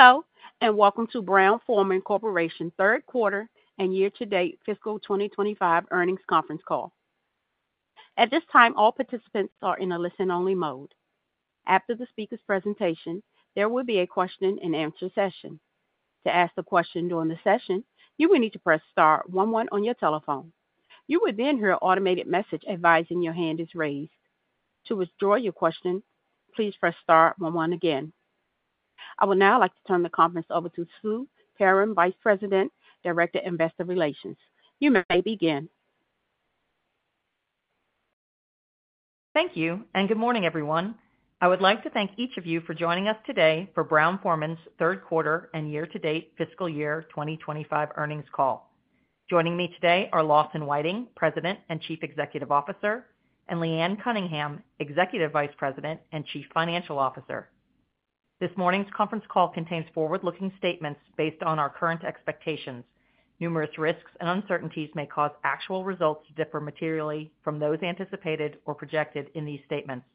Hello, and welcome to Brown-Forman Corporation Third Quarter and Year-to-Date Fiscal 2025 Earnings Conference Call. At this time, all participants are in a listen-only mode. After the speaker's presentation, there will be a question-and-answer session. To ask a question during the session, you will need to press Star 11 on your telephone. You will then hear an automated message advising your hand is raised. To withdraw your question, please press Star 11 again. I would now like to turn the conference over to Sue Perram, Vice President, Director, Investor Relations. You may begin. Thank you, and good morning, everyone. I would like to thank each of you for joining us today for Brown-Forman's Third Quarter and Year-to-Date Fiscal Year 2025 Earnings Call. Joining me today are Lawson Whiting, President and Chief Executive Officer, and Leanne Cunningham, Executive Vice President and Chief Financial Officer. This morning's conference call contains forward-looking statements based on our current expectations. Numerous risks and uncertainties may cause actual results to differ materially from those anticipated or projected in these statements.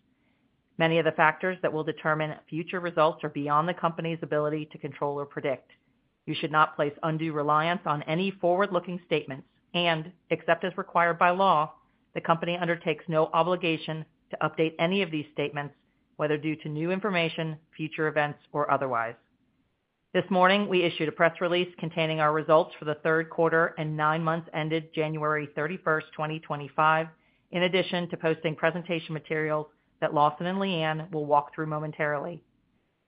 Many of the factors that will determine future results are beyond the company's ability to control or predict. You should not place undue reliance on any forward-looking statements, and, except as required by law, the company undertakes no obligation to update any of these statements, whether due to new information, future events, or otherwise. This morning, we issued a press release containing our results for the third quarter and nine months ended January 31, 2025, in addition to posting presentation materials that Lawson and Leanne will walk through momentarily.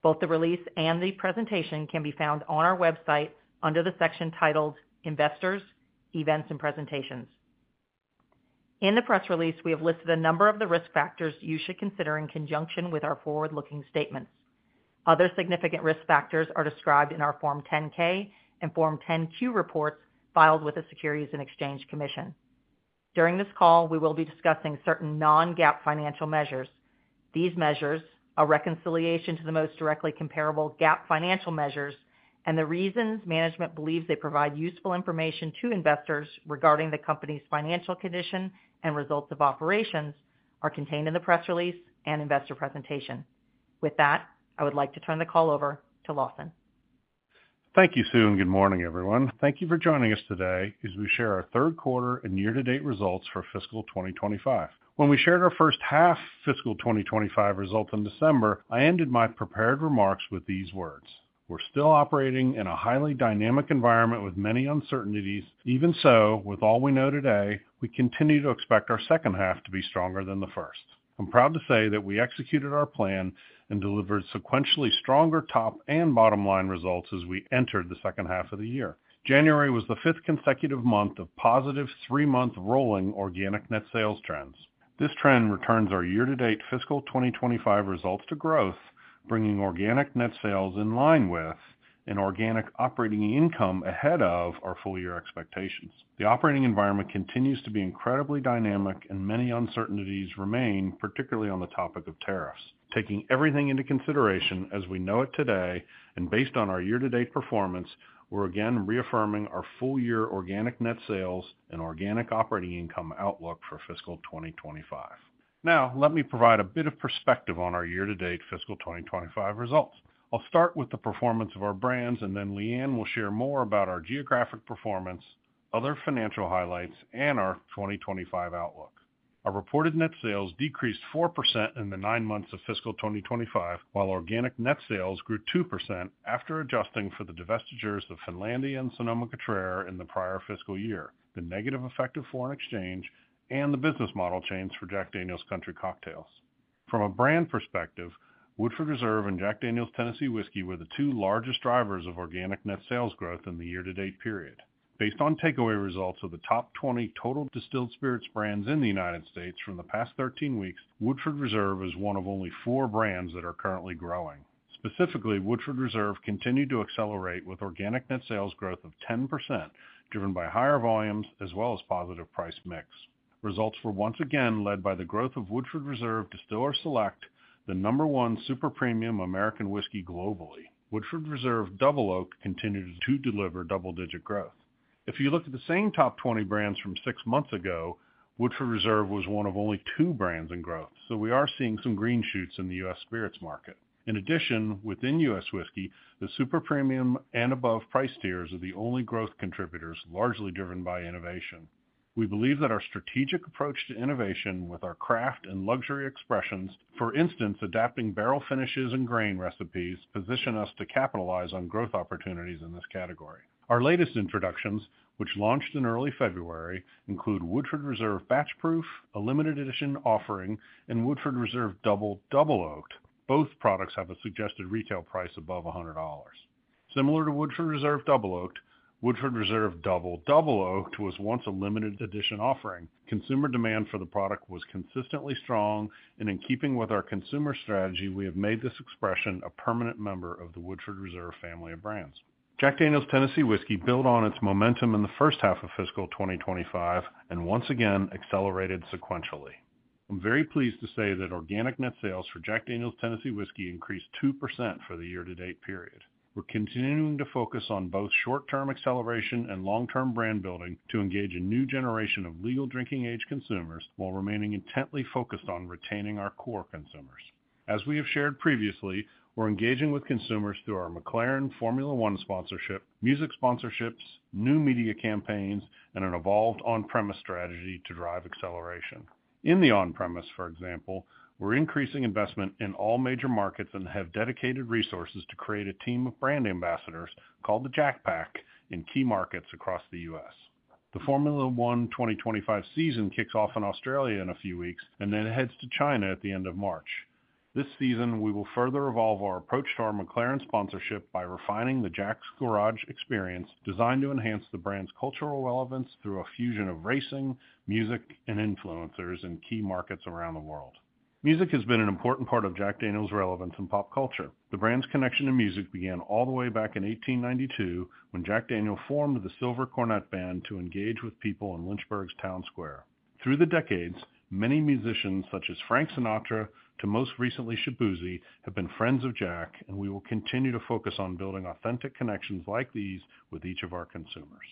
Both the release and the presentation can be found on our website under the section titled Investors, Events, and Presentations. In the press release, we have listed a number of the risk factors you should consider in conjunction with our forward-looking statements. Other significant risk factors are described in our Form 10-K and Form 10-Q reports filed with the Securities and Exchange Commission. During this call, we will be discussing certain non-GAAP financial measures. These measures are reconciliation to the most directly comparable GAAP financial measures, and the reasons management believes they provide useful information to investors regarding the company's financial condition and results of operations are contained in the press release and investor presentation. With that, I would like to turn the call over to Lawson. Thank you, Sue, and good morning, everyone. Thank you for joining us today as we share our third quarter and year-to-date results for fiscal 2025. When we shared our first half fiscal 2025 results in December, I ended my prepared remarks with these words: "We're still operating in a highly dynamic environment with many uncertainties. Even so, with all we know today, we continue to expect our second half to be stronger than the first." I'm proud to say that we executed our plan and delivered sequentially stronger top and bottom line results as we entered the second half of the year. January was the fifth consecutive month of positive three-month rolling organic net sales trends. This trend returns our year-to-date fiscal 2025 results to growth, bringing organic net sales in line with and organic operating income ahead of our full-year expectations. The operating environment continues to be incredibly dynamic, and many uncertainties remain, particularly on the topic of tariffs. Taking everything into consideration as we know it today and based on our year-to-date performance, we're again reaffirming our full-year organic net sales and organic operating income outlook for fiscal 2025. Now, let me provide a bit of perspective on our year-to-date fiscal 2025 results. I'll start with the performance of our brands, and then Leanne will share more about our geographic performance, other financial highlights, and our 2025 outlook. Our reported net sales decreased 4% in the nine months of fiscal 2025, while organic net sales grew 2% after adjusting for the divestitures of Finlandia and Sonoma-Cutrer in the prior fiscal year, the negative effect of foreign exchange, and the business model change for Jack Daniel's Country Cocktails. From a brand perspective, Woodford Reserve and Jack Daniel's Tennessee Whiskey were the two largest drivers of organic net sales growth in the year-to-date period. Based on takeaway results of the top 20 total distilled spirits brands in the United States from the past 13 weeks, Woodford Reserve is one of only four brands that are currently growing. Specifically, Woodford Reserve continued to accelerate with organic net sales growth of 10%, driven by higher volumes as well as positive price mix. Results were once again led by the growth of Woodford Reserve Distiller's Select, the number one super premium American whiskey globally. Woodford Reserve Double Oaked continued to deliver double-digit growth. If you look at the same top 20 brands from six months ago, Woodford Reserve was one of only two brands in growth, so we are seeing some green shoots in the U.S. spirits market. In addition, within U.S. Whiskey, the super premium and above price tiers are the only growth contributors, largely driven by innovation. We believe that our strategic approach to innovation with our craft and luxury expressions, for instance, adapting barrel finishes and grain recipes, positions us to capitalize on growth opportunities in this category. Our latest introductions, which launched in early February, include Woodford Reserve Batch Proof, a limited edition offering, and Woodford Reserve Double Double Oaked. Both products have a suggested retail price above $100. Similar to Woodford Reserve Double Oaked, Woodford Reserve Double Double Oaked was once a limited edition offering. Consumer demand for the product was consistently strong, and in keeping with our consumer strategy, we have made this expression a permanent member of the Woodford Reserve family of brands. Jack Daniel's Tennessee Whiskey built on its momentum in the first half of fiscal 2025 and once again accelerated sequentially. I'm very pleased to say that organic net sales for Jack Daniel's Tennessee Whiskey increased 2% for the year-to-date period. We're continuing to focus on both short-term acceleration and long-term brand building to engage a new generation of legal drinking age consumers while remaining intently focused on retaining our core consumers. As we have shared previously, we're engaging with consumers through our McLaren Formula 1 sponsorship, music sponsorships, new media campaigns, and an evolved on-premise strategy to drive acceleration. In the on-premise, for example, we're increasing investment in all major markets and have dedicated resources to create a team of brand ambassadors called the Jack Pack in key markets across the U.S. The Formula 1 2025 season kicks off in Australia in a few weeks and then heads to China at the end of March. This season, we will further evolve our approach to our McLaren sponsorship by refining the Jack's Garage experience designed to enhance the brand's cultural relevance through a fusion of racing, music, and influencers in key markets around the world. Music has been an important part of Jack Daniel's relevance in pop culture. The brand's connection to music began all the way back in 1892 when Jack Daniel formed the Silver Cornet Band to engage with people in Lynchburg's town square. Through the decades, many musicians, such as Frank Sinatra to most recently Shaboozey, have been friends of Jack, and we will continue to focus on building authentic connections like these with each of our consumers.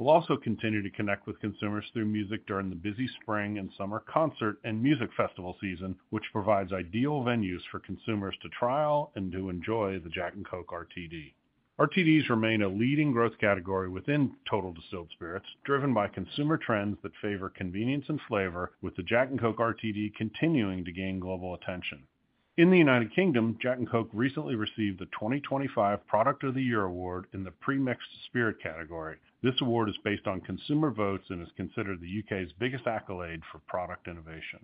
We'll also continue to connect with consumers through music during the busy spring and summer concert and music festival season, which provides ideal venues for consumers to trial and to enjoy the Jack & Coke RTD. RTDs remain a leading growth category within total distilled spirits, driven by consumer trends that favor convenience and flavor, with the Jack & Coke RTD continuing to gain global attention. In the United Kingdom, Jack & Coke recently received the 2025 Product of the Year Award in the premixed spirit category. This award is based on consumer votes and is considered the U.K.'s biggest accolade for product innovation.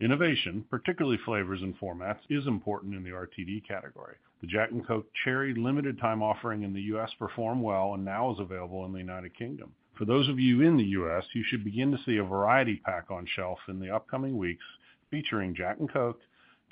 Innovation, particularly flavors and formats, is important in the RTD category. The Jack & Coke Cherry limited-time offering in the U.S. performed well and now is available in the United Kingdom. For those of you in the U.S., you should begin to see a variety pack on shelf in the upcoming weeks featuring Jack & Coke,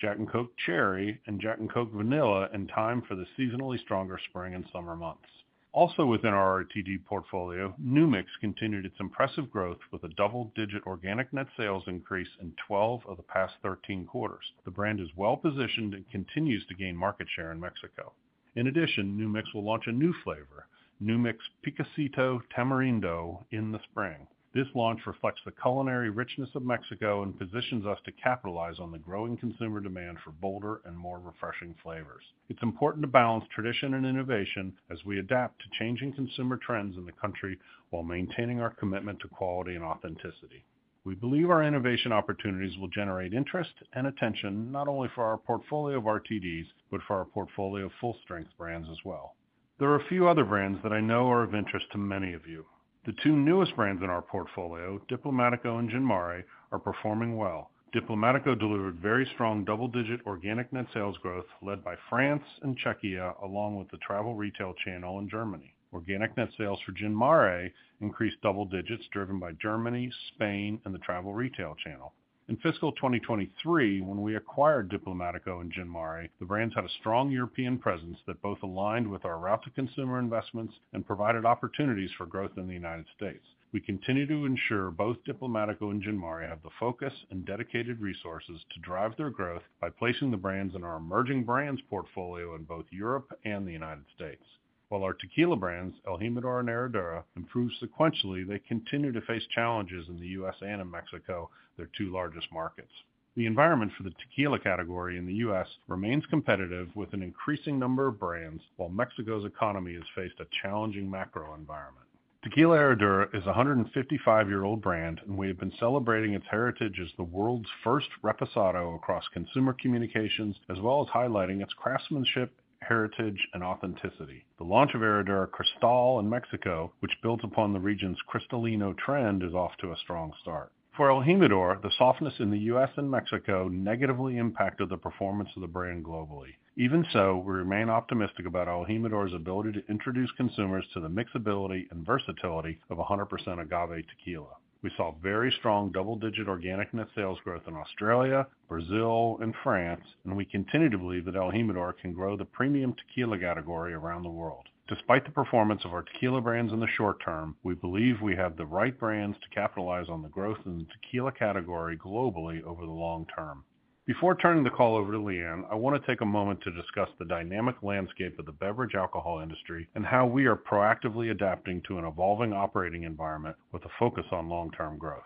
Jack & Coke Cherry, and Jack & Coke Vanilla in time for the seasonally stronger spring and summer months. Also, within our RTD portfolio, New Mix continued its impressive growth with a double-digit organic net sales increase in 12 of the past 13 quarters. The brand is well positioned and continues to gain market share in Mexico. In addition, New Mix will launch a new flavor, New Mix Picosito Tamarindo, in the spring. This launch reflects the culinary richness of Mexico and positions us to capitalize on the growing consumer demand for bolder and more refreshing flavors. It's important to balance tradition and innovation as we adapt to changing consumer trends in the country while maintaining our commitment to quality and authenticity. We believe our innovation opportunities will generate interest and attention not only for our portfolio of RTDs, but for our portfolio of full-strength brands as well. There are a few other brands that I know are of interest to many of you. The two newest brands in our portfolio, Diplomático and Gin Mare, are performing well. Diplomático delivered very strong double-digit organic net sales growth led by France and Czechia, along with the travel retail channel in Germany. Organic net sales for Gin Mare increased double digits, driven by Germany, Spain, and the travel retail channel. In fiscal 2023, when we acquired Diplomático and Gin Mare, the brands had a strong European presence that both aligned with our route to consumer investments and provided opportunities for growth in the United States. We continue to ensure both Diplomático and Gin Mare have the focus and dedicated resources to drive their growth by placing the brands in our emerging brands portfolio in both Europe and the United States. While our tequila brands, El Jimador and Herradura, improve sequentially, they continue to face challenges in the U.S. and in Mexico, their two largest markets. The environment for the tequila category in the U.S. remains competitive with an increasing number of brands, while Mexico's economy has faced a challenging macro environment. Herradura Tequila is a 155-year-old brand, and we have been celebrating its heritage as the world's first reposado across consumer communications, as well as highlighting its craftsmanship, heritage, and authenticity. The launch of Herradura Cristal in Mexico, which builds upon the region's Cristalino trend, is off to a strong start. For El Jimador, the softness in the U.S. and Mexico negatively impacted the performance of the brand globally. Even so, we remain optimistic about El Jimador's ability to introduce consumers to the mixability and versatility of 100% agave tequila. We saw very strong double-digit organic net sales growth in Australia, Brazil, and France, and we continue to believe that El Jimador can grow the premium tequila category around the world. Despite the performance of our tequila brands in the short term, we believe we have the right brands to capitalize on the growth in the tequila category globally over the long term. Before turning the call over to Leanne, I want to take a moment to discuss the dynamic landscape of the beverage alcohol industry and how we are proactively adapting to an evolving operating environment with a focus on long-term growth.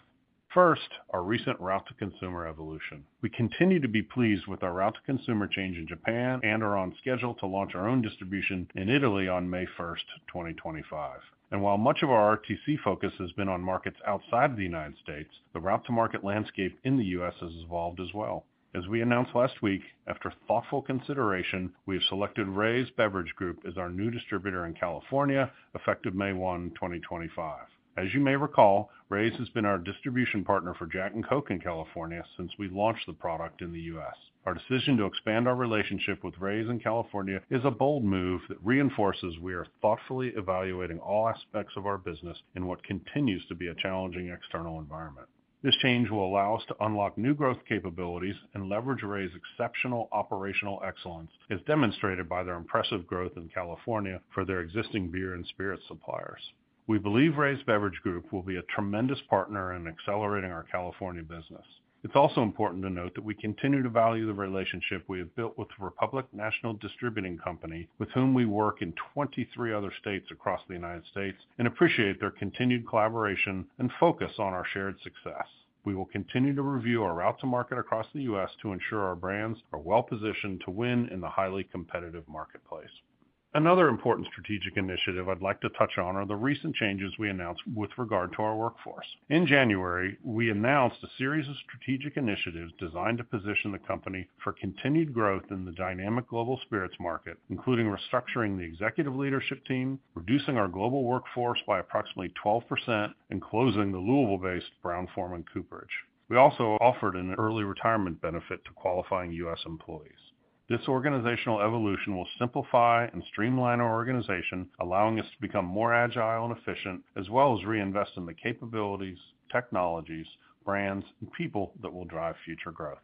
First, our recent route to consumer evolution. We continue to be pleased with our route to consumer change in Japan and are on schedule to launch our own distribution in Italy on May 1, 2025. And while much of our RTC focus has been on markets outside of the United States, the route to market landscape in the U.S. has evolved as well. As we announced last week, after thoughtful consideration, we have selected Reyes Beverage Group as our new distributor in California, effective May 1, 2025. As you may recall, Reyes has been our distribution partner for Jack & Coke in California since we launched the product in the U.S. Our decision to expand our relationship with Reyes in California is a bold move that reinforces we are thoughtfully evaluating all aspects of our business in what continues to be a challenging external environment. This change will allow us to unlock new growth capabilities and leverage Reyes' exceptional operational excellence, as demonstrated by their impressive growth in California for their existing beer and spirits suppliers. We believe Reyes Beverage Group will be a tremendous partner in accelerating our California business. It's also important to note that we continue to value the relationship we have built with the Republic National Distributing Company, with whom we work in 23 other states across the United States, and appreciate their continued collaboration and focus on our shared success. We will continue to review our route to market across the U.S. to ensure our brands are well positioned to win in the highly competitive marketplace. Another important strategic initiative I'd like to touch on are the recent changes we announced with regard to our workforce. In January, we announced a series of strategic initiatives designed to position the company for continued growth in the dynamic global spirits market, including restructuring the executive leadership team, reducing our global workforce by approximately 12%, and closing the Louisville-based Brown-Forman Cooperage. We also offered an early retirement benefit to qualifying U.S. employees. This organizational evolution will simplify and streamline our organization, allowing us to become more agile and efficient, as well as reinvest in the capabilities, technologies, brands, and people that will drive future growth.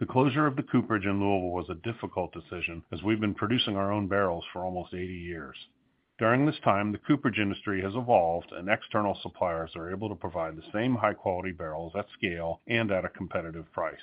The closure of the cooperage in Louisville was a difficult decision, as we've been producing our own barrels for almost 80 years. During this time, the cooperage industry has evolved, and external suppliers are able to provide the same high-quality barrels at scale and at a competitive price.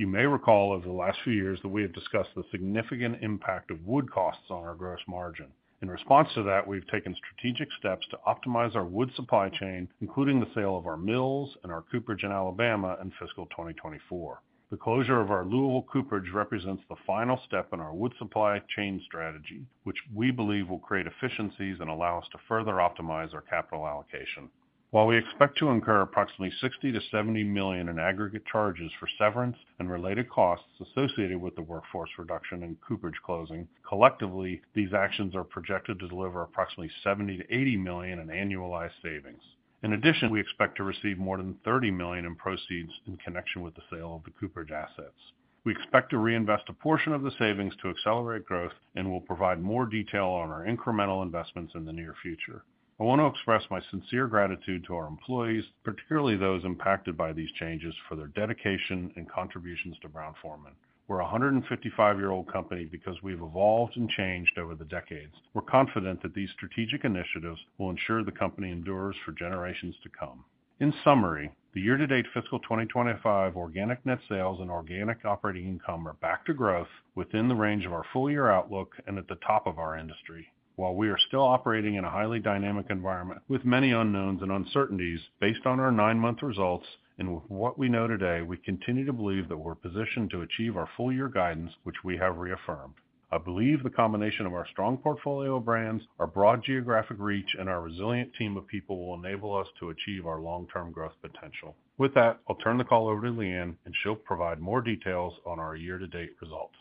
You may recall, over the last few years, that we have discussed the significant impact of wood costs on our gross margin. In response to that, we've taken strategic steps to optimize our wood supply chain, including the sale of our mills and our cooperage in Alabama in fiscal 2024. The closure of our Louisville cooperage represents the final step in our wood supply chain strategy, which we believe will create efficiencies and allow us to further optimize our capital allocation. While we expect to incur approximately $60 million-$70 million in aggregate charges for severance and related costs associated with the workforce reduction and cooperage closing, collectively, these actions are projected to deliver approximately $70 million-$80 million in annualized savings. In addition, we expect to receive more than $30 million in proceeds in connection with the sale of the cooperage assets. We expect to reinvest a portion of the savings to accelerate growth and will provide more detail on our incremental investments in the near future. I want to express my sincere gratitude to our employees, particularly those impacted by these changes, for their dedication and contributions to Brown-Forman. We're a 155-year-old company because we've evolved and changed over the decades. We're confident that these strategic initiatives will ensure the company endures for generations to come. In summary, the year-to-date fiscal 2025 organic net sales and organic operating income are back to growth within the range of our full-year outlook and at the top of our industry. While we are still operating in a highly dynamic environment with many unknowns and uncertainties, based on our nine-month results and with what we know today, we continue to believe that we're positioned to achieve our full-year guidance, which we have reaffirmed. I believe the combination of our strong portfolio of brands, our broad geographic reach, and our resilient team of people will enable us to achieve our long-term growth potential. With that, I'll turn the call over to Leanne, and she'll provide more details on our year-to-date results.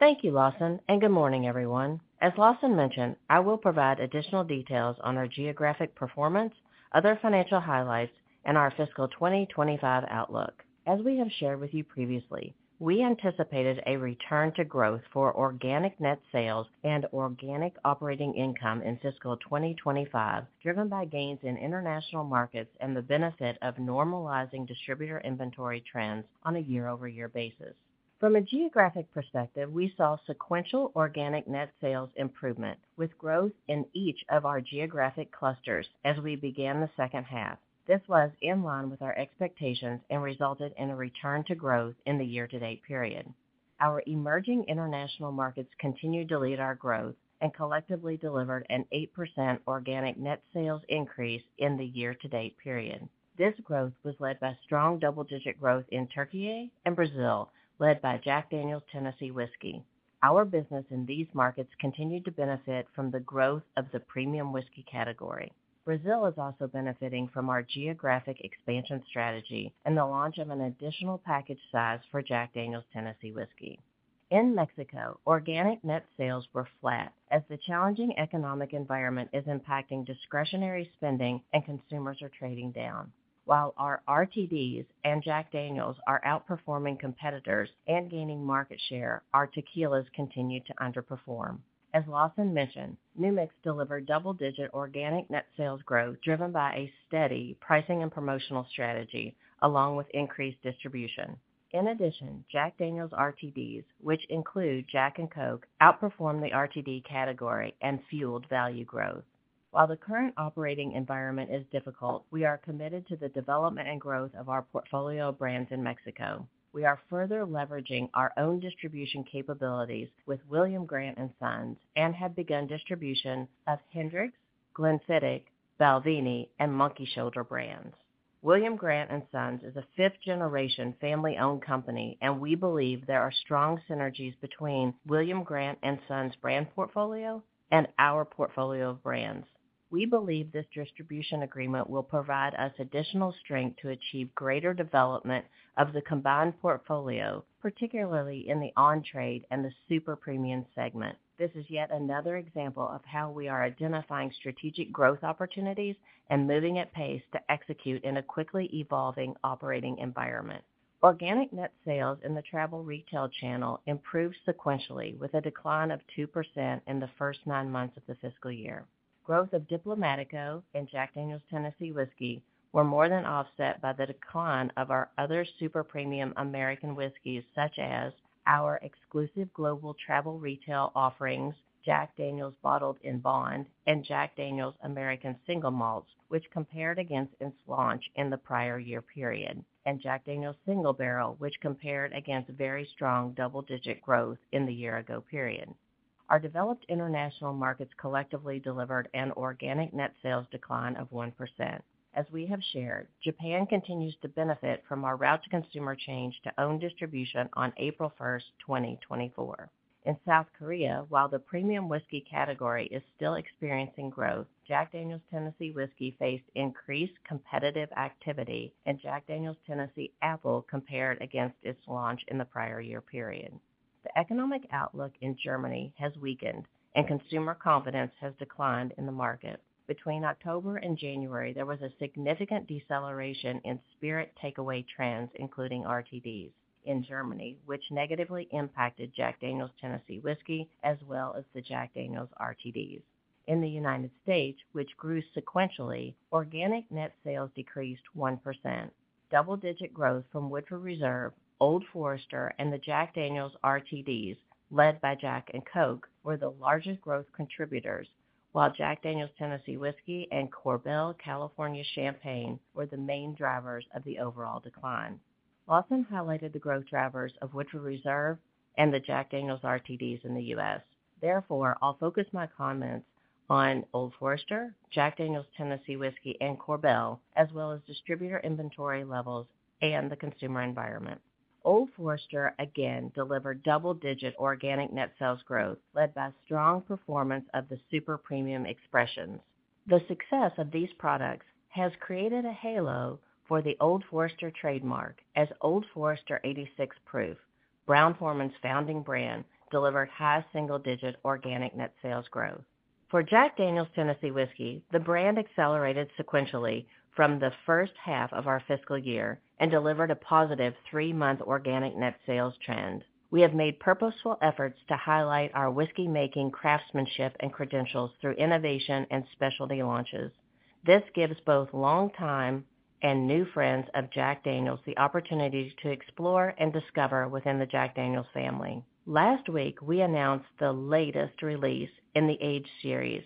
Thank you, Lawson, and good morning, everyone. As Lawson mentioned, I will provide additional details on our geographic performance, other financial highlights, and our fiscal 2025 outlook. As we have shared with you previously, we anticipated a return to growth for organic net sales and organic operating income in fiscal 2025, driven by gains in international markets and the benefit of normalizing distributor inventory trends on a year-over-year basis. From a geographic perspective, we saw sequential organic net sales improvement with growth in each of our geographic clusters as we began the second half. This was in line with our expectations and resulted in a return to growth in the year-to-date period. Our emerging international markets continued to lead our growth and collectively delivered an 8% organic net sales increase in the year-to-date period. This growth was led by strong double-digit growth in Türkiye and Brazil, led by Jack Daniel's Tennessee Whiskey. Our business in these markets continued to benefit from the growth of the premium whiskey category. Brazil is also benefiting from our geographic expansion strategy and the launch of an additional package size for Jack Daniel's Tennessee Whiskey. In Mexico, organic net sales were flat as the challenging economic environment is impacting discretionary spending and consumers are trading down. While our RTDs and Jack Daniel's are outperforming competitors and gaining market share, our tequilas continue to underperform. As Lawson mentioned, New Mix delivered double-digit organic net sales growth driven by a steady pricing and promotional strategy, along with increased distribution. In addition, Jack Daniel's RTDs, which include Jack & Coke, outperformed the RTD category and fueled value growth. While the current operating environment is difficult, we are committed to the development and growth of our portfolio of brands in Mexico. We are further leveraging our own distribution capabilities with William Grant & Sons and have begun distribution of Hendrick's, Glenfiddich, Balvenie, and Monkey Shoulder brands. William Grant & Sons is a fifth-generation family-owned company, and we believe there are strong synergies between William Grant & Sons brand portfolio and our portfolio of brands. We believe this distribution agreement will provide us additional strength to achieve greater development of the combined portfolio, particularly in the on-trade and the super premium segment. This is yet another example of how we are identifying strategic growth opportunities and moving at pace to execute in a quickly evolving operating environment. Organic net sales in the travel retail channel improved sequentially with a decline of 2% in the first nine months of the fiscal year. Growth of Diplomático and Jack Daniel's Tennessee Whiskey were more than offset by the decline of our other super premium American whiskeys, such as our exclusive global travel retail offerings, Jack Daniel's Bottled-in-Bond and Jack Daniel's American Single Malts, which compared against its launch in the prior year period, and Jack Daniel's Single Barrel, which compared against very strong double-digit growth in the year-ago period. Our developed international markets collectively delivered an organic net sales decline of 1%. As we have shared, Japan continues to benefit from our route to consumer change to own distribution on April 1, 2024. In South Korea, while the premium whiskey category is still experiencing growth, Jack Daniel's Tennessee Whiskey faced increased competitive activity, and Jack Daniel's Tennessee Apple compared against its launch in the prior year period. The economic outlook in Germany has weakened, and consumer confidence has declined in the market. Between October and January, there was a significant deceleration in spirit takeaway trends, including RTDs, in Germany, which negatively impacted Jack Daniel's Tennessee Whiskey as well as the Jack Daniel's RTDs. In the United States, which grew sequentially, organic net sales decreased 1%. Double-digit growth from Woodford Reserve, Old Forester, and the Jack Daniel's RTDs, led by Jack & Coke, were the largest growth contributors, while Jack Daniel's Tennessee Whiskey and Korbel California Champagne were the main drivers of the overall decline. Lawson highlighted the growth drivers of Woodford Reserve and the Jack Daniel's RTDs in the U.S. Therefore, I'll focus my comments on Old Forester, Jack Daniel's Tennessee Whiskey, and Korbel, as well as distributor inventory levels and the consumer environment. Old Forester again delivered double-digit organic net sales growth, led by strong performance of the super premium expressions. The success of these products has created a halo for the Old Forester trademark as Old Forester 86 Proof, Brown-Forman's founding brand, delivered high single-digit organic net sales growth. For Jack Daniel's Tennessee Whiskey, the brand accelerated sequentially from the first half of our fiscal year and delivered a positive three-month organic net sales trend. We have made purposeful efforts to highlight our whiskey-making craftsmanship and credentials through innovation and specialty launches. This gives both long-time and new friends of Jack Daniel's the opportunity to explore and discover within the Jack Daniel's family. Last week, we announced the latest release in the age series,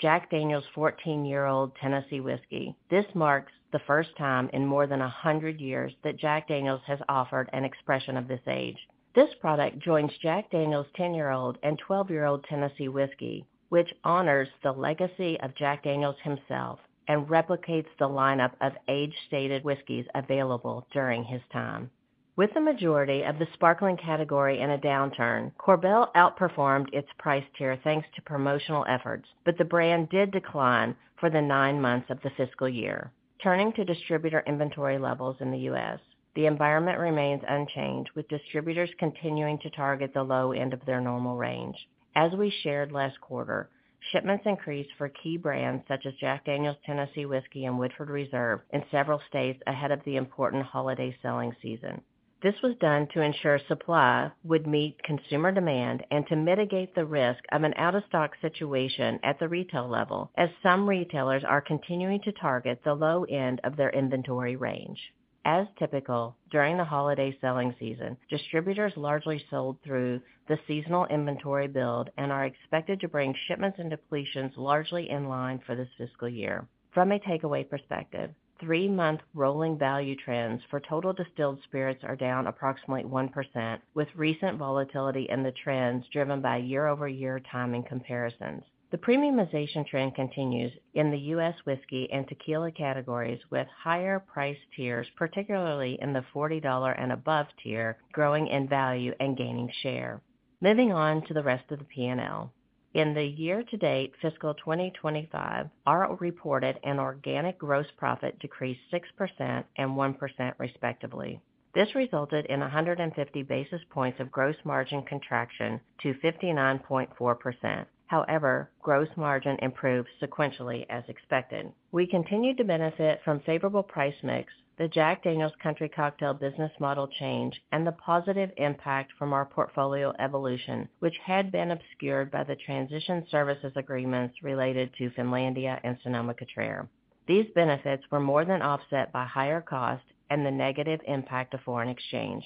Jack Daniel's 14-Year-Old Tennessee Whiskey. This marks the first time in more than 100 years that Jack Daniel's has offered an expression of this age. This product joins Jack Daniel's 10-Year-Old and 12-Year-Old Tennessee Whiskey, which honors the legacy of Jack Daniel himself and replicates the lineup of age-stated whiskeys available during his time. With the majority of the sparkling category in a downturn, Korbel outperformed its price tier thanks to promotional efforts, but the brand did decline for the nine months of the fiscal year. Turning to distributor inventory levels in the U.S., the environment remains unchanged, with distributors continuing to target the low end of their normal range. As we shared last quarter, shipments increased for key brands such as Jack Daniel's Tennessee Whiskey and Woodford Reserve in several states ahead of the important holiday selling season. This was done to ensure supply would meet consumer demand and to mitigate the risk of an out-of-stock situation at the retail level, as some retailers are continuing to target the low end of their inventory range. As typical during the holiday selling season, distributors largely sold through the seasonal inventory build and are expected to bring shipments and depletions largely in line for this fiscal year. From a takeaway perspective, three-month rolling value trends for total distilled spirits are down approximately 1%, with recent volatility in the trends driven by year-over-year timing comparisons. The premiumization trend continues in the U.S. whiskey and tequila categories, with higher price tiers, particularly in the $40 and above tier, growing in value and gaining share. Moving on to the rest of the P&L. In the year-to-date fiscal 2025, our reported and organic gross profit decreased 6% and 1%, respectively. This resulted in 150 basis points of gross margin contraction to 59.4%. However, gross margin improved sequentially, as expected. We continued to benefit from favorable price mix, the Jack Daniel's Country Cocktails business model change, and the positive impact from our portfolio evolution, which had been obscured by the transition services agreements related to Finlandia and Sonoma-Cutrer. These benefits were more than offset by higher costs and the negative impact of foreign exchange.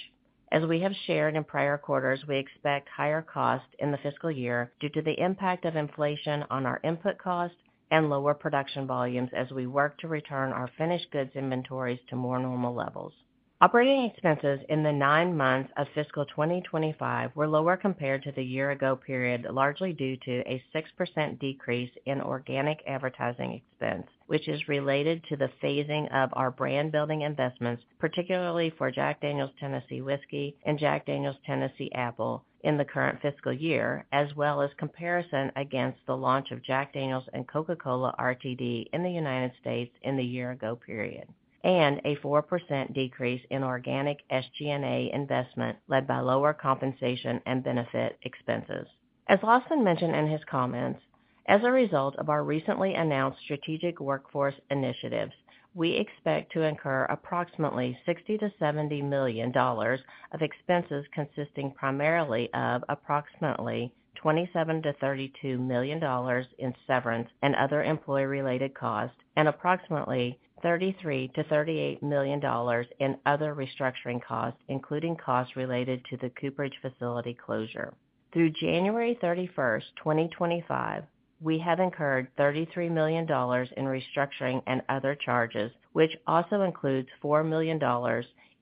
As we have shared in prior quarters, we expect higher costs in the fiscal year due to the impact of inflation on our input costs and lower production volumes as we work to return our finished goods inventories to more normal levels. Operating expenses in the nine months of fiscal 2025 were lower compared to the year-ago period, largely due to a 6% decrease in organic advertising expense, which is related to the phasing of our brand-building investments, particularly for Jack Daniel's Tennessee Whiskey and Jack Daniel's Tennessee Apple in the current fiscal year, as well as comparison against the launch of Jack Daniel's and Coca-Cola RTD in the United States in the year-ago period, and a 4% decrease in organic SG&A investment led by lower compensation and benefit expenses. As Lawson mentioned in his comments, as a result of our recently announced strategic workforce initiatives, we expect to incur approximately $60-$70 million of expenses consisting primarily of approximately $27-$32 million in severance and other employee-related costs, and approximately $33-$38 million in other restructuring costs, including costs related to the Cooperage facility closure. Through January 31, 2025, we have incurred $33 million in restructuring and other charges, which also includes $4 million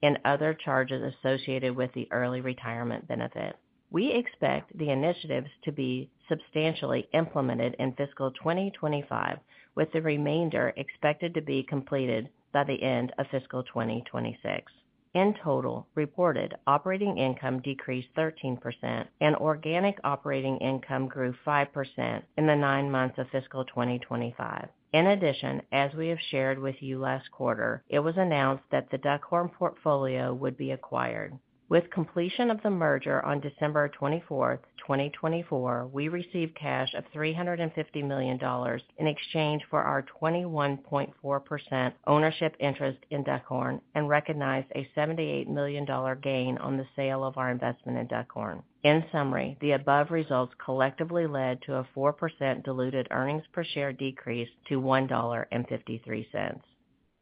in other charges associated with the early retirement benefit. We expect the initiatives to be substantially implemented in fiscal 2025, with the remainder expected to be completed by the end of fiscal 2026. In total, reported operating income decreased 13%, and organic operating income grew 5% in the nine months of fiscal 2025. In addition, as we have shared with you last quarter, it was announced that the Duckhorn portfolio would be acquired. With completion of the merger on December 24, 2024, we received cash of $350 million in exchange for our 21.4% ownership interest in Duckhorn and recognized a $78 million gain on the sale of our investment in Duckhorn. In summary, the above results collectively led to a 4% diluted earnings per share decrease to $1.53.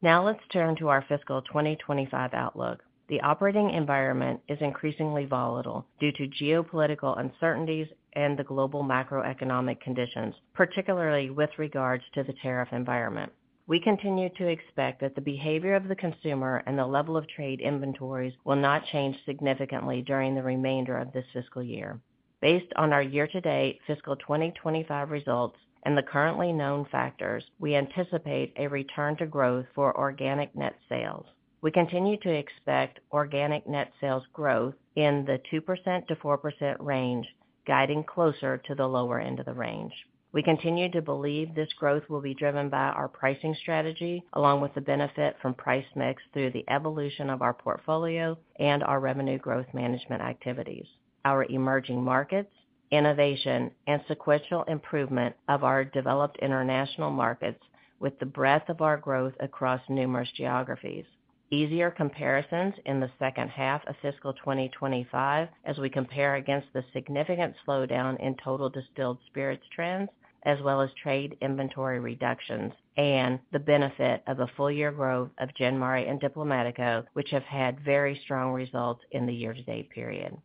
Now let's turn to our fiscal 2025 outlook. The operating environment is increasingly volatile due to geopolitical uncertainties and the global macroeconomic conditions, particularly with regards to the tariff environment. We continue to expect that the behavior of the consumer and the level of trade inventories will not change significantly during the remainder of this fiscal year. Based on our year-to-date fiscal 2025 results and the currently known factors, we anticipate a return to growth for organic net sales. We continue to expect organic net sales growth in the 2%-4% range, guiding closer to the lower end of the range. We continue to believe this growth will be driven by our pricing strategy, along with the benefit from price mix through the evolution of our portfolio and our revenue growth management activities, our emerging markets, innovation, and sequential improvement of our developed international markets with the breadth of our growth across numerous geographies. Easier comparisons in the second half of fiscal 2025 as we compare against the significant slowdown in total distilled spirits trends, as well as trade inventory reductions, and the benefit of a full-year growth of Gin Mare and Diplomático, which have had very strong results in the year-to-date period.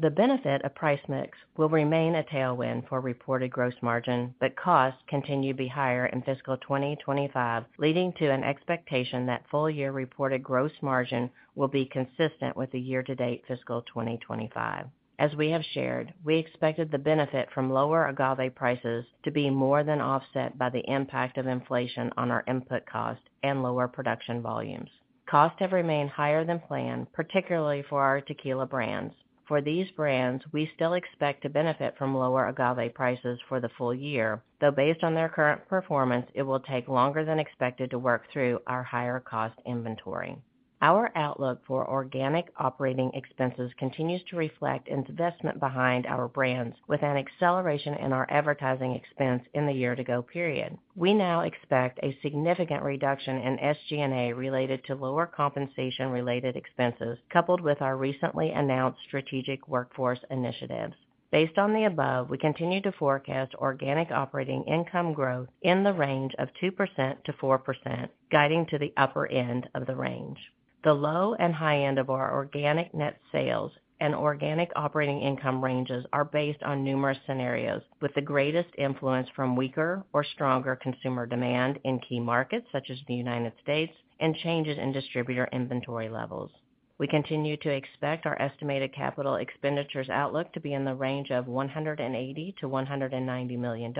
The benefit of price mix will remain a tailwind for reported gross margin, but costs continue to be higher in fiscal 2025, leading to an expectation that full-year reported gross margin will be consistent with the year-to-date fiscal 2025. As we have shared, we expected the benefit from lower agave prices to be more than offset by the impact of inflation on our input costs and lower production volumes. Costs have remained higher than planned, particularly for our tequila brands. For these brands, we still expect to benefit from lower agave prices for the full year, though based on their current performance, it will take longer than expected to work through our higher cost inventory. Our outlook for organic operating expenses continues to reflect investment behind our brands, with an acceleration in our advertising expense in the year-to-date period. We now expect a significant reduction in SG&A related to lower compensation-related expenses, coupled with our recently announced strategic workforce initiatives. Based on the above, we continue to forecast organic operating income growth in the range of 2%-4%, guiding to the upper end of the range. The low and high end of our organic net sales and organic operating income ranges are based on numerous scenarios, with the greatest influence from weaker or stronger consumer demand in key markets such as the United States and changes in distributor inventory levels. We continue to expect our estimated capital expenditures outlook to be in the range of $180-$190 million,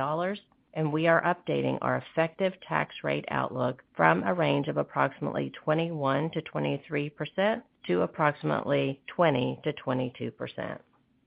and we are updating our effective tax rate outlook from a range of approximately 21%-23% to approximately 20%-22%.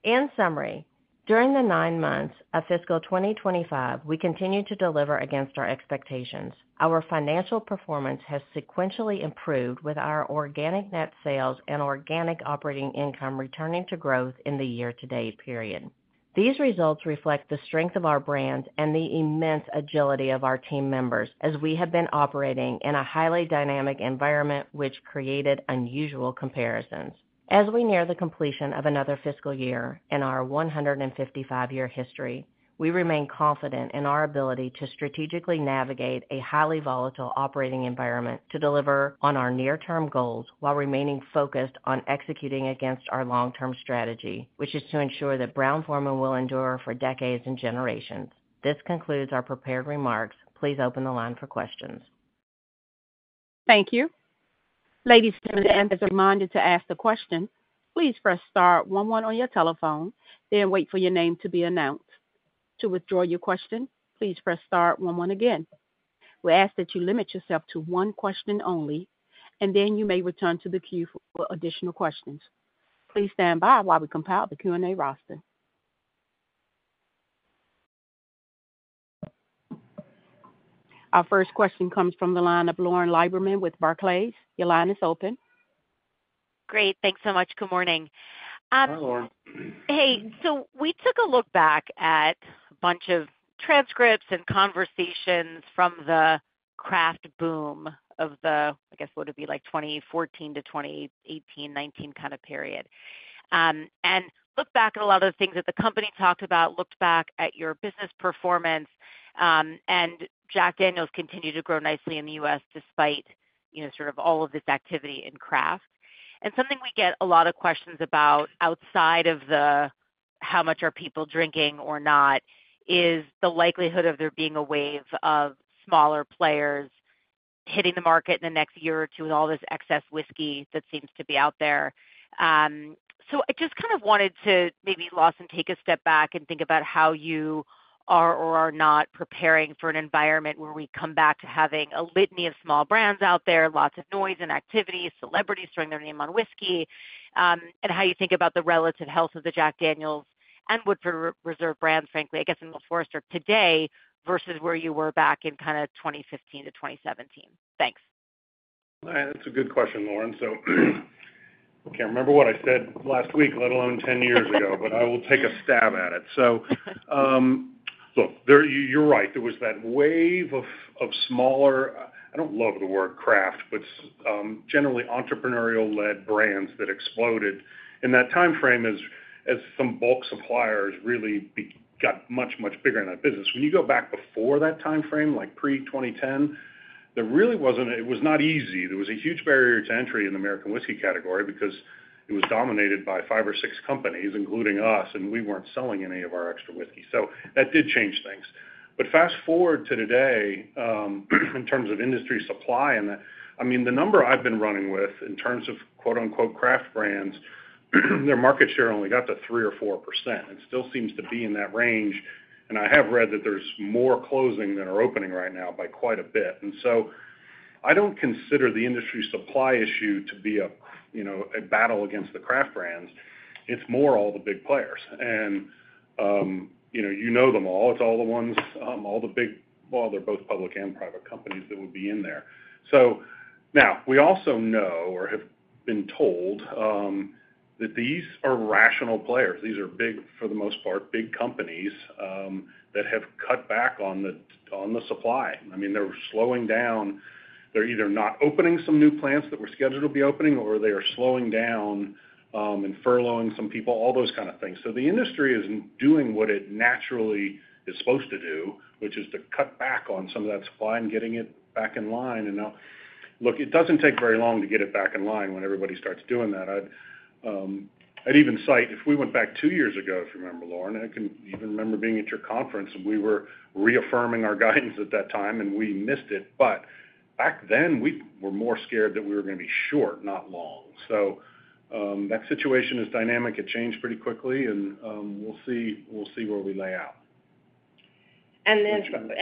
In summary, during the nine months of fiscal 2025, we continue to deliver against our expectations. Our financial performance has sequentially improved, with our organic net sales and organic operating income returning to growth in the year-to-date period. These results reflect the strength of our brands and the immense agility of our team members, as we have been operating in a highly dynamic environment, which created unusual comparisons. As we near the completion of another fiscal year in our 155-year history, we remain confident in our ability to strategically navigate a highly volatile operating environment to deliver on our near-term goals while remaining focused on executing against our long-term strategy, which is to ensure that Brown-Forman will endure for decades and generations. This concludes our prepared remarks. Please open the line for questions. Thank you. Ladies and gentlemen, as a reminder to ask the question, please press star 11 on your telephone, then wait for your name to be announced. To withdraw your question, please press star 11 again. We ask that you limit yourself to one question only, and then you may return to the queue for additional questions. Please stand by while we compile the Q&A roster. Our first question comes from the line of Lauren Lieberman with Barclays. Your line is open. Great. Thanks so much. Good morning. Hi, Lauren. Hey. So we took a look back at a bunch of transcripts and conversations from the craft boom of the, I guess, what would be like 2014 to 2018, 2019 kind of period, and looked back at a lot of the things that the company talked about, looked back at your business performance, and Jack Daniel's continued to grow nicely in the U.S. despite sort of all of this activity in craft. Something we get a lot of questions about outside of the how much are people drinking or not is the likelihood of there being a wave of smaller players hitting the market in the next year or two with all this excess whiskey that seems to be out there. I just kind of wanted to maybe, Lawson, take a step back and think about how you are or are not preparing for an environment where we come back to having a litany of small brands out there, lots of noise and activity, celebrities throwing their name on whiskey, and how you think about the relative health of the Jack Daniel's and Woodford Reserve brands, frankly, I guess, in the Old Forester today versus where you were back in kind of 2015 to 2017. Thanks. That's a good question, Lauren. I can't remember what I said last week, let alone 10 years ago, but I will take a stab at it. Look, you're right. There was that wave of smaller, I don't love the word craft, but generally entrepreneurial-led brands that exploded in that timeframe as some bulk suppliers really got much, much bigger in that business. When you go back before that timeframe, like pre-2010, there really wasn't. It was not easy. There was a huge barrier to entry in the American whiskey category because it was dominated by five or six companies, including us, and we weren't selling any of our extra whiskey. That did change things. But fast forward to today in terms of industry supply and that, I mean, the number I've been running with in terms of quote-unquote craft brands, their market share only got to 3%-4%. It still seems to be in that range, and I have read that there's more closing than are opening right now by quite a bit, and so I don't consider the industry supply issue to be a battle against the craft brands. It's more all the big players, and you know them all. It's all the ones, all the big, well, they're both public and private companies that would be in there, so now we also know or have been told that these are rational players. These are big, for the most part, big companies that have cut back on the supply. I mean, they're slowing down. They're either not opening some new plants that were scheduled to be opening, or they are slowing down and furloughing some people, all those kinds of things. So the industry is doing what it naturally is supposed to do, which is to cut back on some of that supply and getting it back in line. And look, it doesn't take very long to get it back in line when everybody starts doing that. I'd even cite if we went back two years ago, if you remember, Lauren, I can even remember being at your conference, and we were reaffirming our guidance at that time, and we missed it. But back then, we were more scared that we were going to be short, not long. So that situation is dynamic. It changed pretty quickly, and we'll see where we lay out. And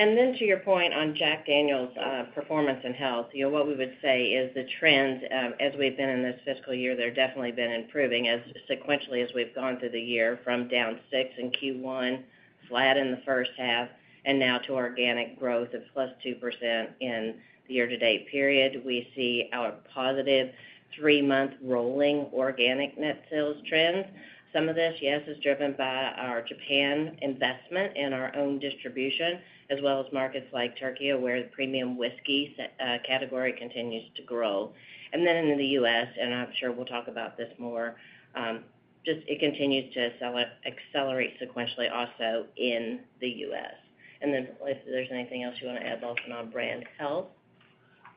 then, to your point on Jack Daniel's performance and health, what we would say is the trend, as we've been in this fiscal year, they're definitely been improving sequentially as we've gone through the year from down 6% in Q1, flat in the first half, and now to organic growth of plus 2% in the year-to-date period. We see our positive three-month rolling organic net sales trends. Some of this, yes, is driven by our Japan investment and our own distribution, as well as markets like Turkey, where the premium whiskey category continues to grow. And then in the U.S., and I'm sure we'll talk about this more, just it continues to accelerate sequentially also in the U.S. And then if there's anything else you want to add, Lawson, on brand health.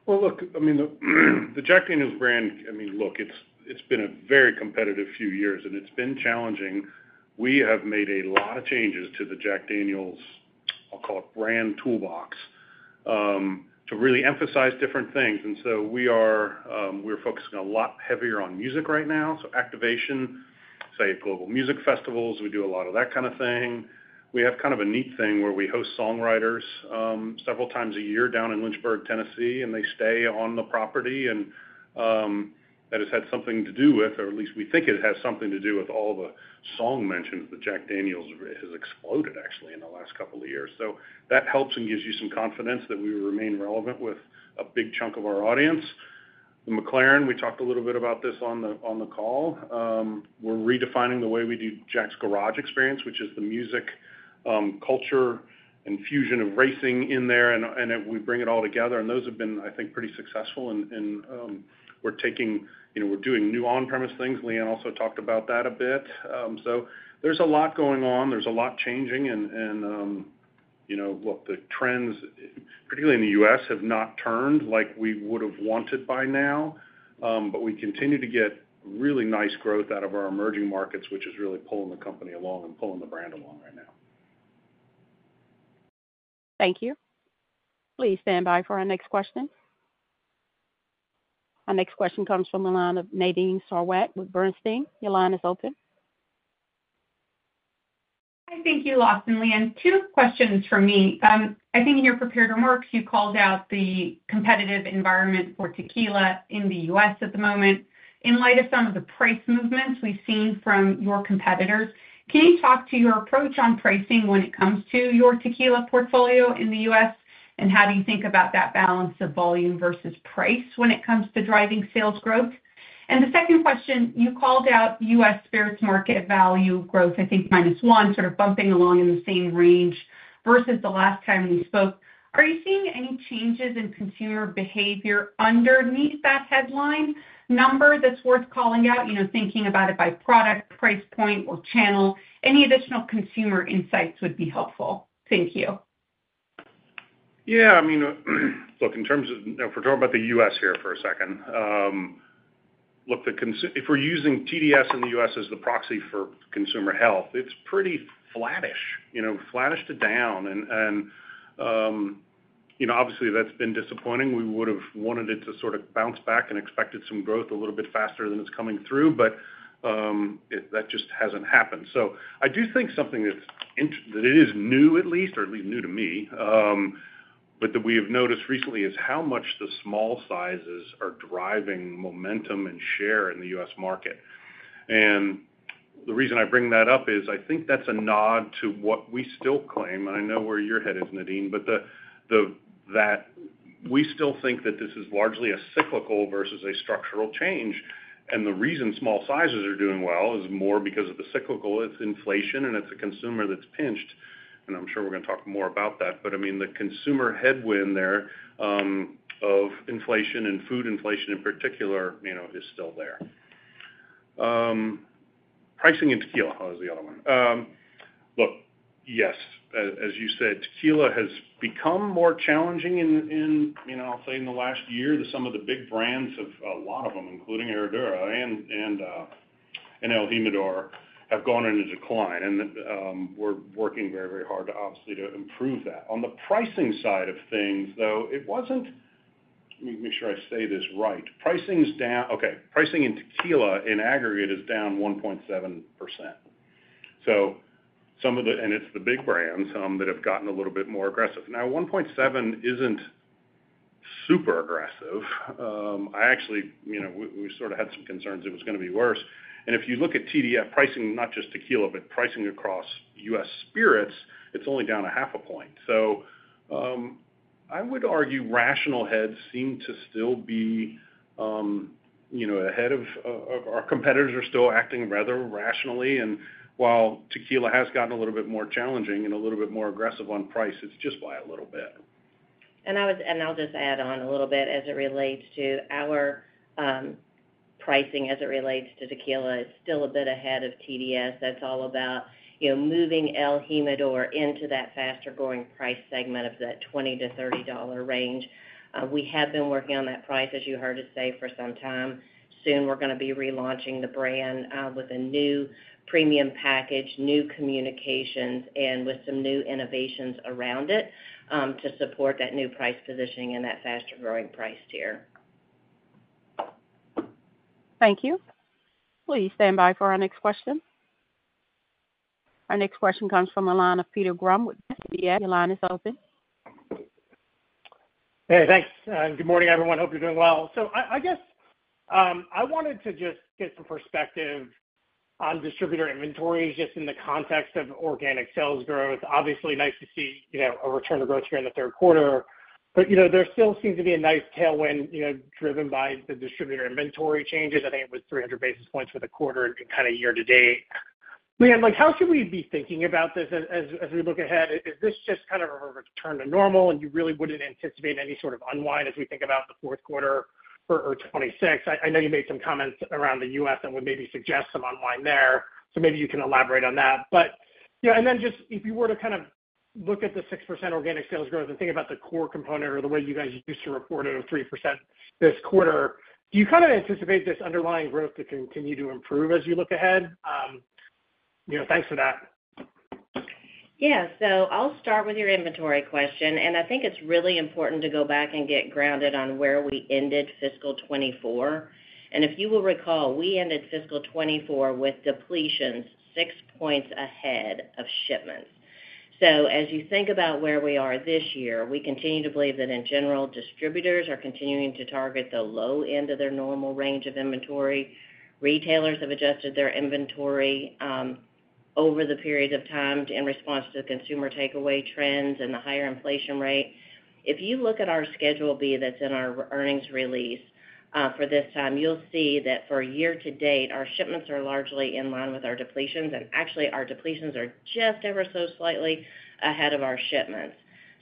Look, I mean, the Jack Daniel's brand, I mean, look, it's been a very competitive few years, and it's been challenging. We have made a lot of changes to the Jack Daniel's, I'll call it brand toolbox, to really emphasize different things, so we are focusing a lot heavier on music right now. Activation, say, at global music festivals, we do a lot of that kind of thing. We have kind of a neat thing where we host songwriters several times a year down in Lynchburg, Tennessee, and they stay on the property. That has had something to do with, or at least we think it has something to do with all the song mentions that Jack Daniel's has exploded, actually, in the last couple of years. That helps and gives you some confidence that we remain relevant with a big chunk of our audience. The McLaren, we talked a little bit about this on the call. We're redefining the way we do Jack's Garage experience, which is the music, culture, and fusion of racing in there, and we bring it all together. And those have been, I think, pretty successful. And we're taking—we're doing new on-premise things. Leanne also talked about that a bit. So there's a lot going on. There's a lot changing. And look, the trends, particularly in the U.S., have not turned like we would have wanted by now, but we continue to get really nice growth out of our emerging markets, which is really pulling the company along and pulling the brand along right now. Thank you. Please stand by for our next question. Our next question comes from the line of Nadine Sarwat with Bernstein. Your line is open. Hi, thank you, Lawson. Leanne, two questions for me.I think in your prepared remarks, you called out the competitive environment for tequila in the U.S. at the moment. In light of some of the price movements we've seen from your competitors, can you talk to your approach on pricing when it comes to your tequila portfolio in the U.S., and how do you think about that balance of volume versus price when it comes to driving sales growth? And the second question, you called out U.S. spirits market value growth, I think -1%, sort of bumping along in the same range versus the last time we spoke. Are you seeing any changes in consumer behavior underneath that headline number that's worth calling out, thinking about it by product, price point, or channel? Any additional consumer insights would be helpful. Thank you. Yeah. I mean, look, in terms of if we're talking about the U.S. Here for a second, look, if we're using TDS in the U.S. as the proxy for consumer health, it's pretty flattish, flattish to down. And obviously, that's been disappointing. We would have wanted it to sort of bounce back and expected some growth a little bit faster than it's coming through, but that just hasn't happened. So I do think something that is new, at least, or at least new to me, but that we have noticed recently is how much the small sizes are driving momentum and share in the U.S. market. And the reason I bring that up is I think that's a nod to what we still claim, and I know where your head is, Nadine, but that we still think that this is largely a cyclical versus a structural change. And the reason small sizes are doing well is more because of the cyclical. It's inflation, and it's a consumer that's pinched, and I'm sure we're going to talk more about that, but I mean, the consumer headwind there of inflation and food inflation in particular is still there. Pricing in tequila, how is the other one? Look, yes, as you said, tequila has become more challenging in, I'll say, in the last year. Some of the big brands of a lot of them, including Herradura and El Jimador, have gone into decline, and we're working very, very hard, obviously, to improve that. On the pricing side of things, though, it wasn't. Let me make sure I say this right. Pricing's down. Okay. Pricing in tequila in aggregate is down 1.7%, so some of the, and it's the big brands, some that have gotten a little bit more aggressive. Now, 1.7 isn't super aggressive. I actually, we sort of had some concerns it was going to be worse. And if you look at TDS pricing, not just tequila, but pricing across U.S. spirits, it's only down 0.5%. So I would argue rational heads seem to still be ahead of our competitors are still acting rather rationally. And while tequila has gotten a little bit more challenging and a little bit more aggressive on price, it's just by a little bit. And I'll just add on a little bit as it relates to our pricing as it relates to tequila. It's still a bit ahead of TDS. That's all about moving El Jimador into that faster-growing price segment of that $20-$30 range. We have been working on that price, as you heard us say, for some time. Soon, we're going to be relaunching the brand with a new premium package, new communications, and with some new innovations around it to support that new price positioning and that faster-growing price tier. Thank you. Please stand by for our next question. Our next question comes from the line of Peter Grom with UBS. Your line is open. Hey. Thanks. Good morning, everyone. Hope you're doing well. So I guess I wanted to just get some perspective on distributor inventories just in the context of organic sales growth. Obviously, nice to see a return to growth here in the third quarter, but there still seems to be a nice tailwind driven by the distributor inventory changes. I think it was 300 basis points for the quarter and kind of year-to-date. Leanne, how should we be thinking about this as we look ahead? Is this just kind of a return to normal, and you really wouldn't anticipate any sort of unwind as we think about the fourth quarter or 2026? I know you made some comments around the U.S. and would maybe suggest some unwind there. So maybe you can elaborate on that. But yeah, and then just if you were to kind of look at the 6% organic sales growth and think about the core component or the way you guys used to report it of 3% this quarter, do you kind of anticipate this underlying growth to continue to improve as you look ahead? Thanks for that. Yeah. So I'll start with your inventory question. And I think it's really important to go back and get grounded on where we ended fiscal 2024. And if you will recall, we ended fiscal 2024 with depletions six points ahead of shipments. So as you think about where we are this year, we continue to believe that, in general, distributors are continuing to target the low end of their normal range of inventory. Retailers have adjusted their inventory over the period of time in response to consumer takeaway trends and the higher inflation rate. If you look at our Schedule B that's in our earnings release for this time, you'll see that for year-to-date, our shipments are largely in line with our depletions. And actually, our depletions are just ever so slightly ahead of our shipments.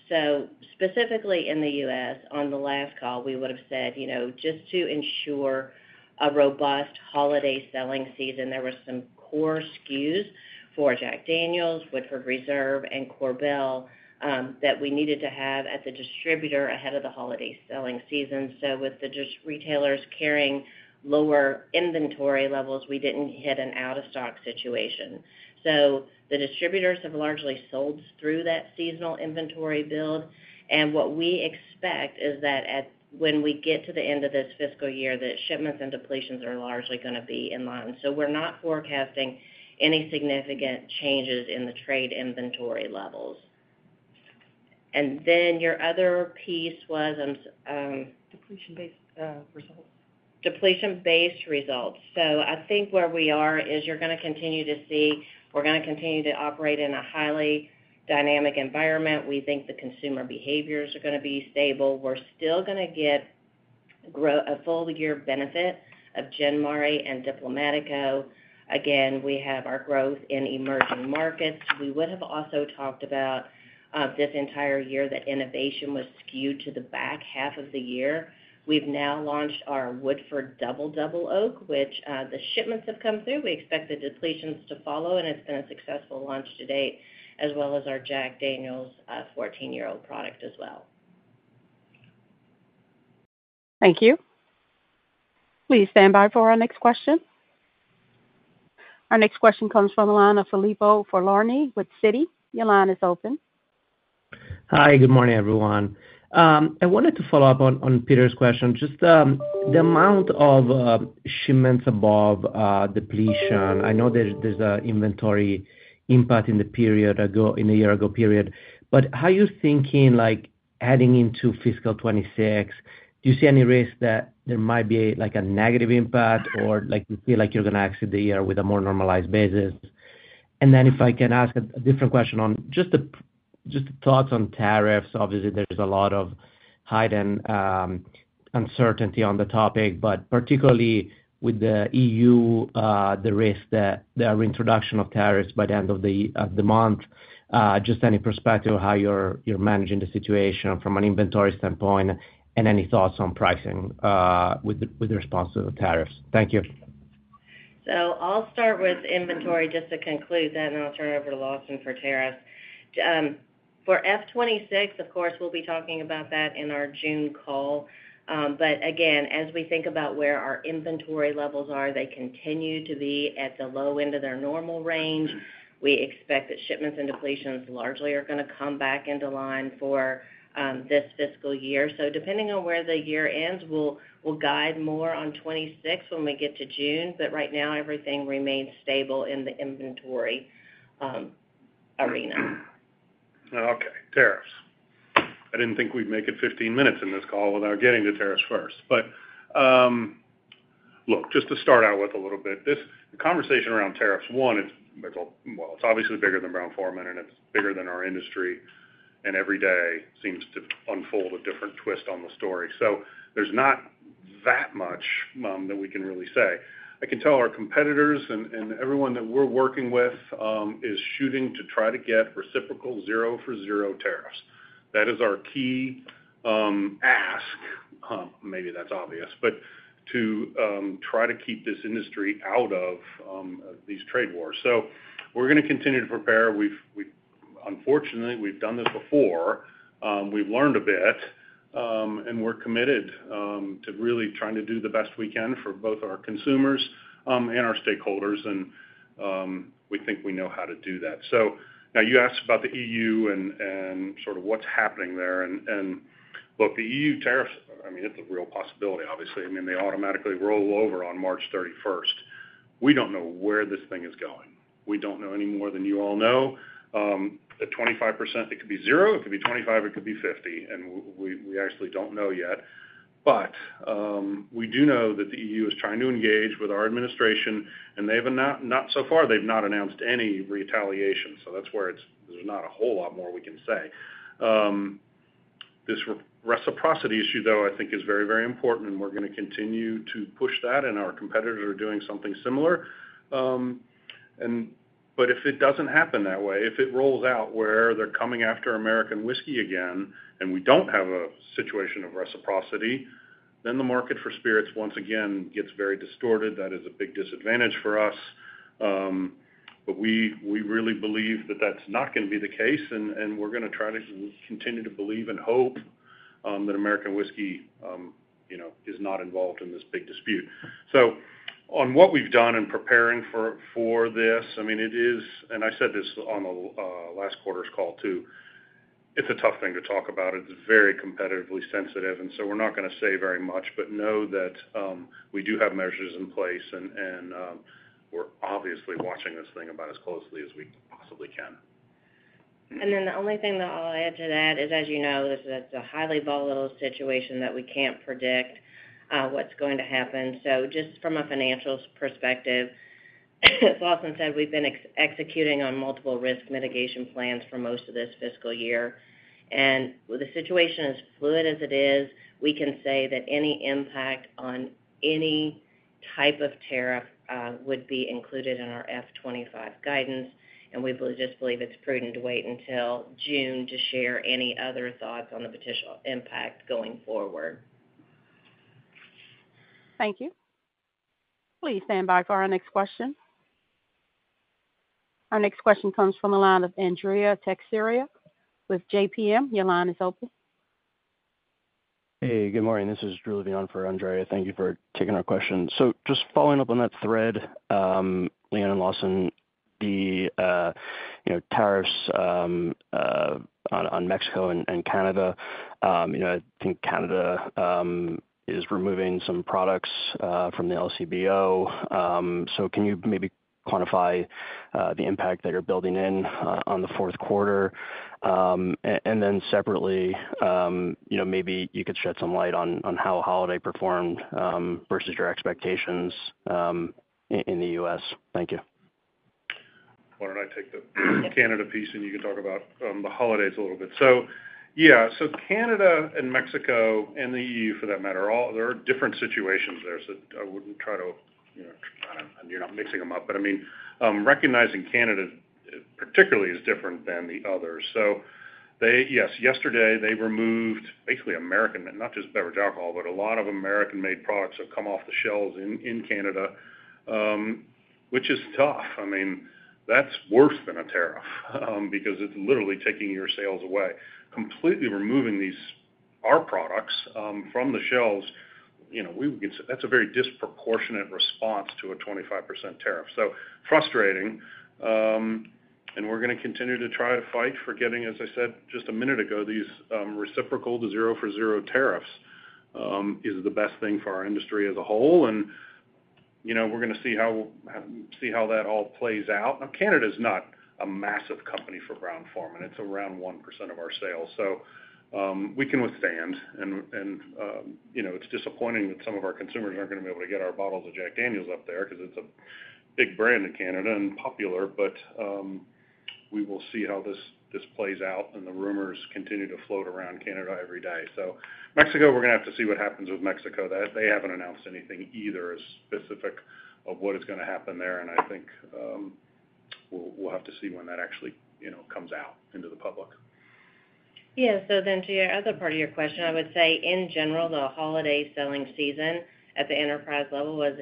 So specifically in the U.S., on the last call, we would have said just to ensure a robust holiday selling season, there were some core SKUs for Jack Daniel's, Woodford Reserve, and Korbel that we needed to have at the distributor ahead of the holiday selling season. With the retailers carrying lower inventory levels, we didn't hit an out-of-stock situation. So the distributors have largely sold through that seasonal inventory build. And what we expect is that when we get to the end of this fiscal year, the shipments and depletions are largely going to be in line. So we're not forecasting any significant changes in the trade inventory levels. And then your other piece was depletion-based results. Depletion-based results. So I think where we are is you're going to continue to see we're going to continue to operate in a highly dynamic environment. We think the consumer behaviors are going to be stable. We're still going to get a full-year benefit of Gin Mare and Diplomático. Again, we have our growth in emerging markets. We would have also talked about this entire year that innovation was skewed to the back half of the year. We've now launched our Woodford Reserve Double Double Oaked, which the shipments have come through. We expect the depletions to follow, and it's been a successful launch to date, as well as our Jack Daniel's 14-Year-Old product as well. Thank you. Please stand by for our next question. Our next question comes from Filippo Falorni with Citi. Your line is open. Hi. Good morning, everyone. I wanted to follow up on Peter's question. Just the amount of shipments above depletion, I know there's an inventory impact in the year-ago period. But how are you thinking adding into fiscal 2026? Do you see any risk that there might be a negative impact, or do you feel like you're going to exit the year with a more normalized basis? And then if I can ask a different question on just the thoughts on tariffs. Obviously, there's a lot of hidden uncertainty on the topic, but particularly with the EU, the risk that there are introductions of tariffs by the end of the month. Just any perspective of how you're managing the situation from an inventory standpoint and any thoughts on pricing with respect to the tariffs. Thank you. So I'll start with inventory just to conclude that, and I'll turn it over to Lawson for tariffs. For F26, of course, we'll be talking about that in our June call. But again, as we think about where our inventory levels are, they continue to be at the low end of their normal range. We expect that shipments and depletions largely are going to come back into line for this fiscal year. So depending on where the year ends, we'll guide more on 2026 when we get to June. But right now, everything remains stable in the inventory arena. Okay. Tariffs. I didn't think we'd make it 15 minutes in this call without getting to tariffs first. But look, just to start out with a little bit, the conversation around tariffs. One, it's obviously bigger than Brown-Forman, and it's bigger than our industry. And every day seems to unfold a different twist on the story. So there's not that much that we can really say. I can tell our competitors and everyone that we're working with is shooting to try to get reciprocal zero-for-zero tariffs. That is our key ask. Maybe that's obvious, but to try to keep this industry out of these trade wars. So we're going to continue to prepare. Unfortunately, we've done this before. We've learned a bit, and we're committed to really trying to do the best we can for both our consumers and our stakeholders, and we think we know how to do that. So now you asked about the E.U. and sort of what's happening there, and look, the E.U. tariffs, I mean, it's a real possibility, obviously. I mean, they automatically roll over on March 31st. We don't know where this thing is going. We don't know any more than you all know. At 25%, it could be zero. It could be 25. It could be 50, and we actually don't know yet, but we do know that the E.U. is trying to engage with our administration, and they have not so far. They've not announced any retaliation, so that's where there's not a whole lot more we can say. This reciprocity issue, though, I think is very, very important, and we're going to continue to push that, and our competitors are doing something similar, but if it doesn't happen that way, if it rolls out where they're coming after American whiskey again, and we don't have a situation of reciprocity, then the market for spirits once again gets very distorted. That is a big disadvantage for us, but we really believe that that's not going to be the case, and we're going to try to continue to believe and hope that American whiskey is not involved in this big dispute, so on what we've done in preparing for this, I mean, it is, and I said this on the last quarter's call too, it's a tough thing to talk about. It's very competitively sensitive. And so we're not going to say very much, but know that we do have measures in place, and we're obviously watching this thing about as closely as we possibly can. And then the only thing that I'll add to that is, as you know, this is a highly volatile situation that we can't predict what's going to happen. So just from a financial perspective, as Lawson said, we've been executing on multiple risk mitigation plans for most of this fiscal year. And with the situation as fluid as it is, we can say that any impact on any type of tariff would be included in our F25 guidance. And we just believe it's prudent to wait until June to share any other thoughts on the potential impact going forward. Thank you. Please stand by for our next question. Our next question comes from the line of Andrea Teixeira with JPM. Your line is open. Hey. Good morning. This is Drew Levine for Andrea. Thank you for taking our question. So just following up on that thread, Leanne and Lawson, the tariffs on Mexico and Canada, I think Canada is removing some products from the LCBO. So can you maybe quantify the impact that you're building in on the fourth quarter? And then separately, maybe you could shed some light on how holiday performed versus your expectations in the U.S. Thank you. Why don't I take the Canada piece, and you can talk about the holidays a little bit. So yeah. So Canada and Mexico and the EU, for that matter, there are different situations there. So I wouldn't try to and you're not mixing them up. But I mean, recognizing Canada particularly is different than the others. So yes, yesterday, they removed basically American—not just beverage alcohol, but a lot of American-made products have come off the shelves in Canada, which is tough. I mean, that's worse than a tariff because it's literally taking your sales away. Completely removing our products from the shelves, we would get—that's a very disproportionate response to a 25% tariff. So frustrating. And we're going to continue to try to fight for getting, as I said just a minute ago, these reciprocal zero-for-zero tariffs is the best thing for our industry as a whole. And we're going to see how that all plays out. Now, Canada is not a massive company for Brown-Forman. It's around 1% of our sales. So we can withstand. It's disappointing that some of our consumers aren't going to be able to get our bottles of Jack Daniel's up there because it's a big brand in Canada and popular. But we will see how this plays out, and the rumors continue to float around Canada every day. So Mexico, we're going to have to see what happens with Mexico. They haven't announced anything either as specific of what is going to happen there. And I think we'll have to see when that actually comes out into the public. Yeah. So then to your other part of your question, I would say, in general, the holiday selling season at the enterprise level was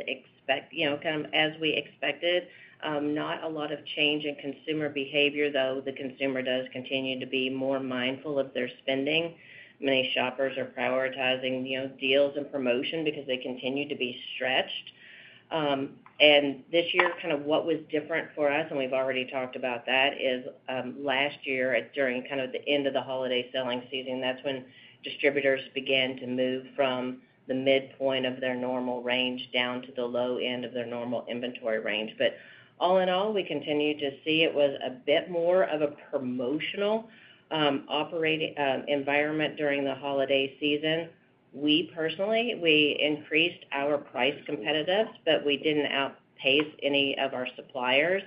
kind of as we expected. Not a lot of change in consumer behavior, though. The consumer does continue to be more mindful of their spending. Many shoppers are prioritizing deals and promotion because they continue to be stretched, and this year, kind of what was different for us, and we've already talked about that, is last year during kind of the end of the holiday selling season. That's when distributors began to move from the midpoint of their normal range down to the low end of their normal inventory range, but all in all, we continue to see it was a bit more of a promotional operating environment during the holiday season. We personally, we increased our price competitiveness, but we didn't outpace any of our suppliers,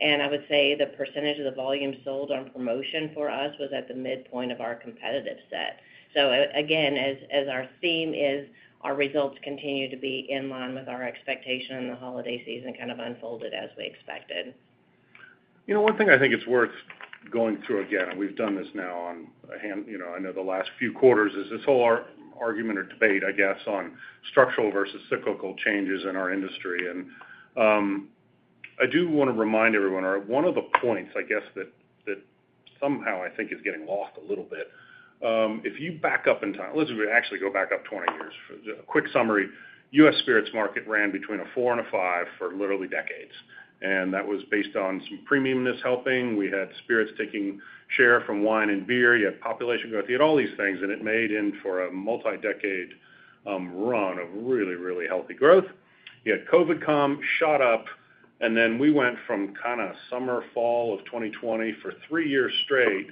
and I would say the percentage of the volume sold on promotion for us was at the midpoint of our competitive set, so again, as our theme is, our results continue to be in line with our expectation, and the holiday season kind of unfolded as we expected. One thing I think it's worth going through again, and we've done this now on a handful. I know the last few quarters is this whole argument or debate, I guess, on structural versus cyclical changes in our industry. And I do want to remind everyone, one of the points, I guess, that somehow I think is getting lost a little bit, if you back up in time. Let's actually go back up 20 years. A quick summary: U.S. spirits market ran between 4 and 5 for literally decades. And that was based on some premiumness helping. We had spirits taking share from wine and beer. You had population growth. You had all these things, and it made for a multi-decade run of really, really healthy growth. You had COVID come, shot up, and then we went from kind of summer/fall of 2020 for three years straight.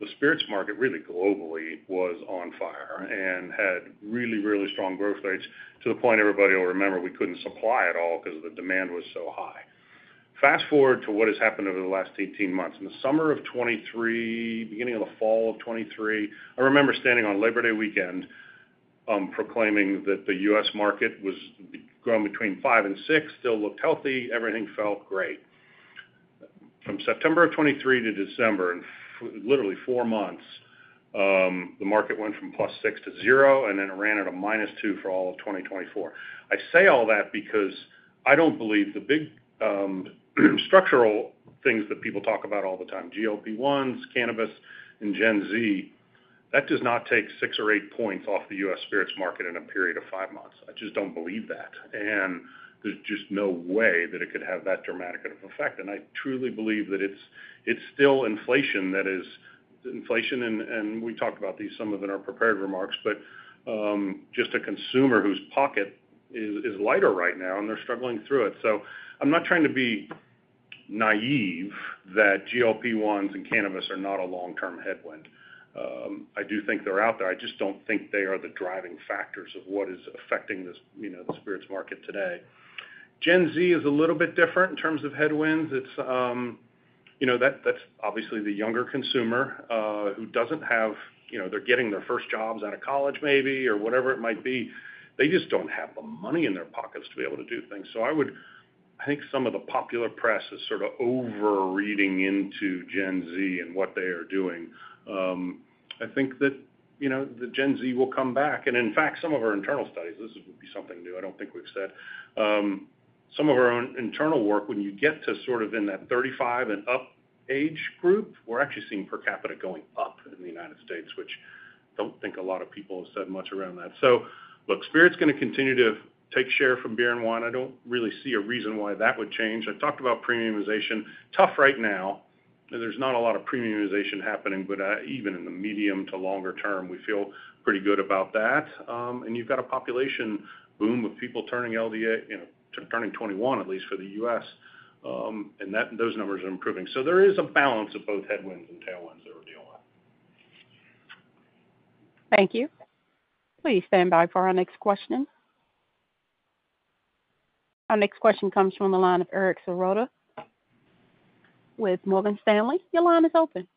The spirits market, really globally, was on fire and had really, really strong growth rates to the point everybody will remember we couldn't supply at all because the demand was so high. Fast forward to what has happened over the last 18 months. In the summer of 2023, beginning of the fall of 2023, I remember standing on Labor Day weekend proclaiming that the U.S. market was growing between 5% and 6%, still looked healthy. Everything felt great. From September of 2023 to December, in literally four months, the market went from +6% to 0%, and then it ran at a -2% for all of 2024. I say all that because I don't believe the big structural things that people talk about all the time, GLP-1s, cannabis, and Gen Z, that does not take 6 or 8 percentage points off the U.S. spirits market in a period of five months. I just don't believe that. And there's just no way that it could have that dramatic of an effect. And I truly believe that it's still inflation that is inflation, and we talked about these some of in our prepared remarks, but just a consumer whose pocket is lighter right now, and they're struggling through it. So I'm not trying to be naive that GLP-1s and cannabis are not a long-term headwind. I do think they're out there. I just don't think they are the driving factors of what is affecting the spirits market today. Gen Z is a little bit different in terms of headwinds. That's obviously the younger consumer who doesn't have—they're getting their first jobs out of college maybe or whatever it might be. They just don't have the money in their pockets to be able to do things. So I think some of the popular press is sort of overreading into Gen Z and what they are doing. I think that the Gen Z will come back. And in fact, some of our internal studies (this would be something new. I don't think we've said) some of our own internal work, when you get to sort of in that 35 and up age group, we're actually seeing per capita going up in the United States, which I don't think a lot of people have said much around that. So look, spirits are going to continue to take share from beer and wine. I don't really see a reason why that would change. I talked about premiumization. Tough right now. There's not a lot of premiumization happening, but even in the medium to longer term, we feel pretty good about that. And you've got a population boom of people turning 21, at least for the U.S. And those numbers are improving. So there is a balance of both headwinds and tailwinds that we're dealing with. Thank you. Please stand by for our next question. Our next question comes from the line of Eric Serotta with Morgan Stanley. Your line is open.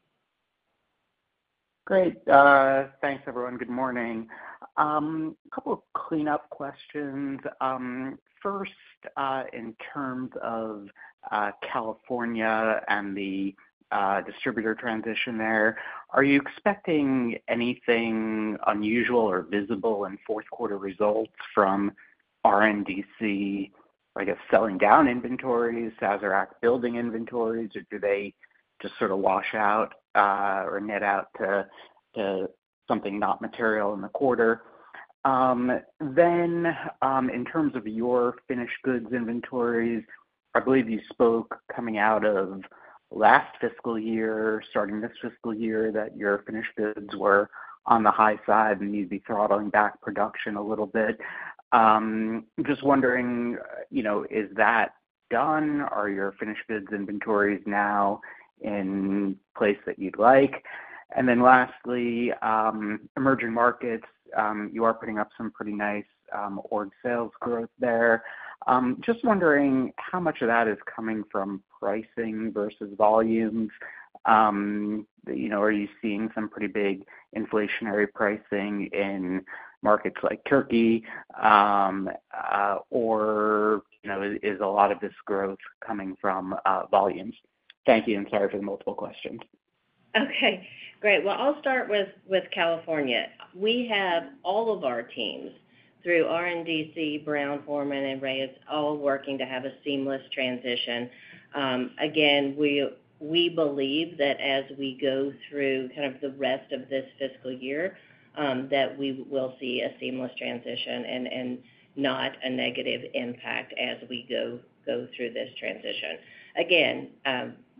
Great. Thanks, everyone. Good morning. A couple of cleanup questions. First, in terms of California and the distributor transition there, are you expecting anything unusual or visible in fourth quarter results from RNDC, I guess, selling down inventories, Reyes building inventories, or do they just sort of wash out or net out to something not material in the quarter? Then in terms of your finished goods inventories, I believe you spoke coming out of last fiscal year, starting this fiscal year, that your finished goods were on the high side and you'd be throttling back production a little bit. Just wondering, is that done? Are your finished goods inventories now in place that you'd like? And then lastly, emerging markets, you are putting up some pretty nice org sales growth there. Just wondering how much of that is coming from pricing versus volumes. Are you seeing some pretty big inflationary pricing in markets like Turkey, or is a lot of this growth coming from volumes? Thank you. And sorry for the multiple questions. Okay. Great. Well, I'll start with California. We have all of our teams through RNDC, Brown-Forman, and Reyes all working to have a seamless transition. Again, we believe that as we go through kind of the rest of this fiscal year, that we will see a seamless transition and not a negative impact as we go through this transition. Again,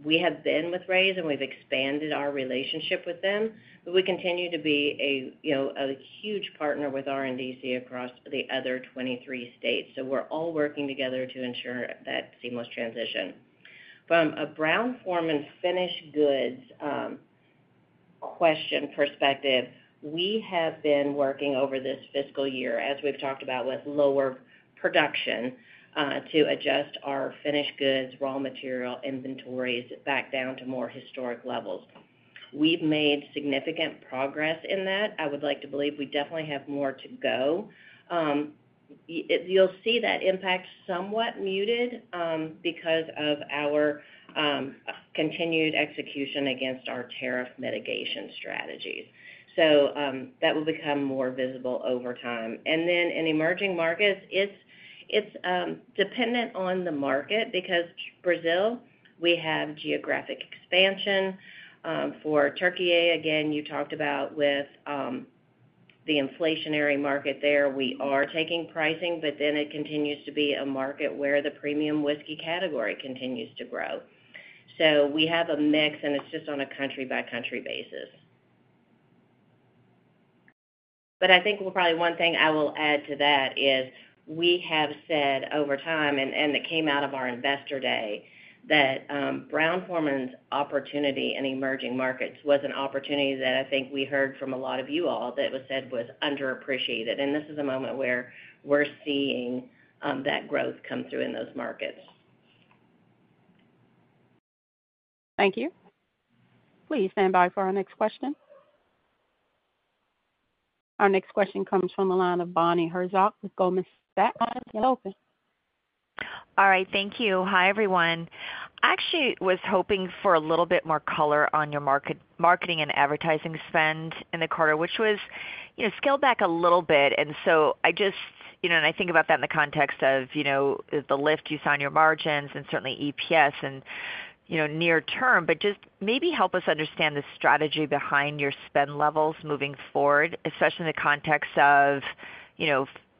we have been with Reyes, and we've expanded our relationship with them, but we continue to be a huge partner with RNDC across the other 23 states. So we're all working together to ensure that seamless transition. From a Brown-Forman finished goods question perspective, we have been working over this fiscal year, as we've talked about, with lower production to adjust our finished goods, raw material inventories back down to more historic levels. We've made significant progress in that. I would like to believe we definitely have more to go. You'll see that impact somewhat muted because of our continued execution against our tariff mitigation strategies. So that will become more visible over time. And then in emerging markets, it's dependent on the market because Brazil, we have geographic expansion. For Türkiye, again, you talked about with the inflationary market there, we are taking pricing, but then it continues to be a market where the premium whiskey category continues to grow. So we have a mix, and it's just on a country-by-country basis. But I think probably one thing I will add to that is we have said over time, and it came out of our investor day, that Brown-Forman's opportunity in emerging markets was an opportunity that I think we heard from a lot of you all that was said was underappreciated. And this is a moment where we're seeing that growth come through in those markets. Thank you. Please stand by for our next question. Our next question comes from the line of Bonnie Herzog with Goldman Sachs. You're open. All right. Thank you. Hi, everyone. I actually was hoping for a little bit more color on your marketing and advertising spend in the quarter, which was scaled back a little bit, and so I just—and I think about that in the context of the lift you saw in your margins and certainly EPS and near term, but just maybe help us understand the strategy behind your spend levels moving forward, especially in the context of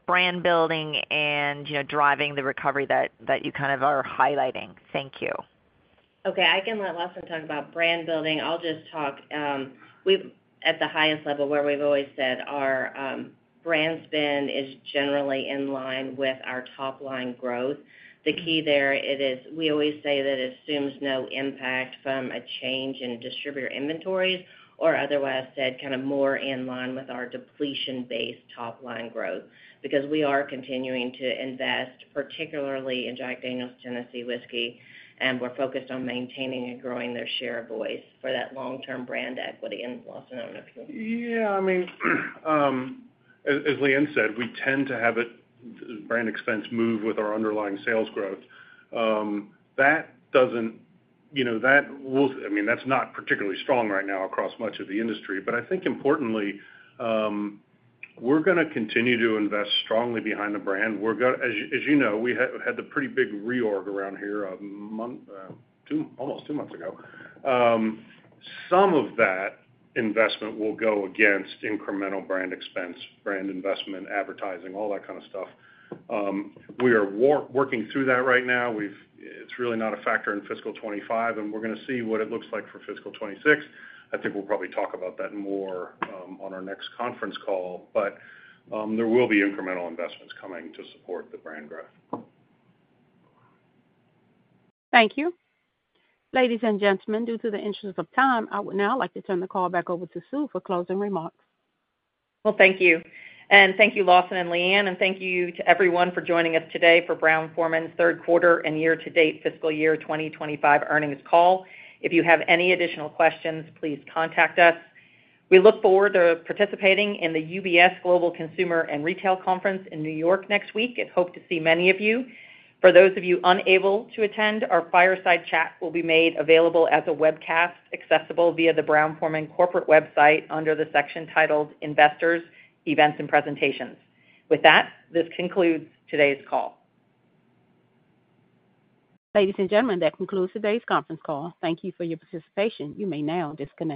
brand building and driving the recovery that you kind of are highlighting. Thank you. Okay. I can let Lawson talk about brand building. I'll just talk at the highest level where we've always said our brand spend is generally in line with our top-line growth. The key there is we always say that it assumes no impact from a change in distributor inventories or otherwise said kind of more in line with our depletion-based top-line growth because we are continuing to invest, particularly in Jack Daniel's Tennessee Whiskey, and we're focused on maintaining and growing their share of voice for that long-term brand equity. And Lawson, I don't know if you - Yeah. I mean, as Leanne said, we tend to have brand expense move with our underlying sales growth. That doesn't - that will, I mean, that's not particularly strong right now across much of the industry. But I think importantly, we're going to continue to invest strongly behind the brand. As you know, we had the pretty big reorg around here almost two months ago. Some of that investment will go against incremental brand expense, brand investment, advertising, all that kind of stuff. We are working through that right now. It's really not a factor in fiscal 2025, and we're going to see what it looks like for fiscal 2026. I think we'll probably talk about that more on our next conference call, but there will be incremental investments coming to support the brand growth. Thank you. Ladies and gentlemen, due to the interest of time, I would now like to turn the call back over to Sue for closing remarks. Thank you. And thank you, Lawson and Leanne, and thank you to everyone for joining us today for Brown-Forman's third quarter and year-to-date fiscal year 2025 earnings call. If you have any additional questions, please contact us. We look forward to participating in the UBS Global Consumer and Retail Conference in New York next week and hope to see many of you. For those of you unable to attend, our fireside chat will be made available as a webcast accessible via the Brown-Forman corporate website under the section titled Investors, Events, and Presentations. With that, this concludes today's call. Ladies and gentlemen, that concludes today's conference call. Thank you for your participation. You may now disconnect.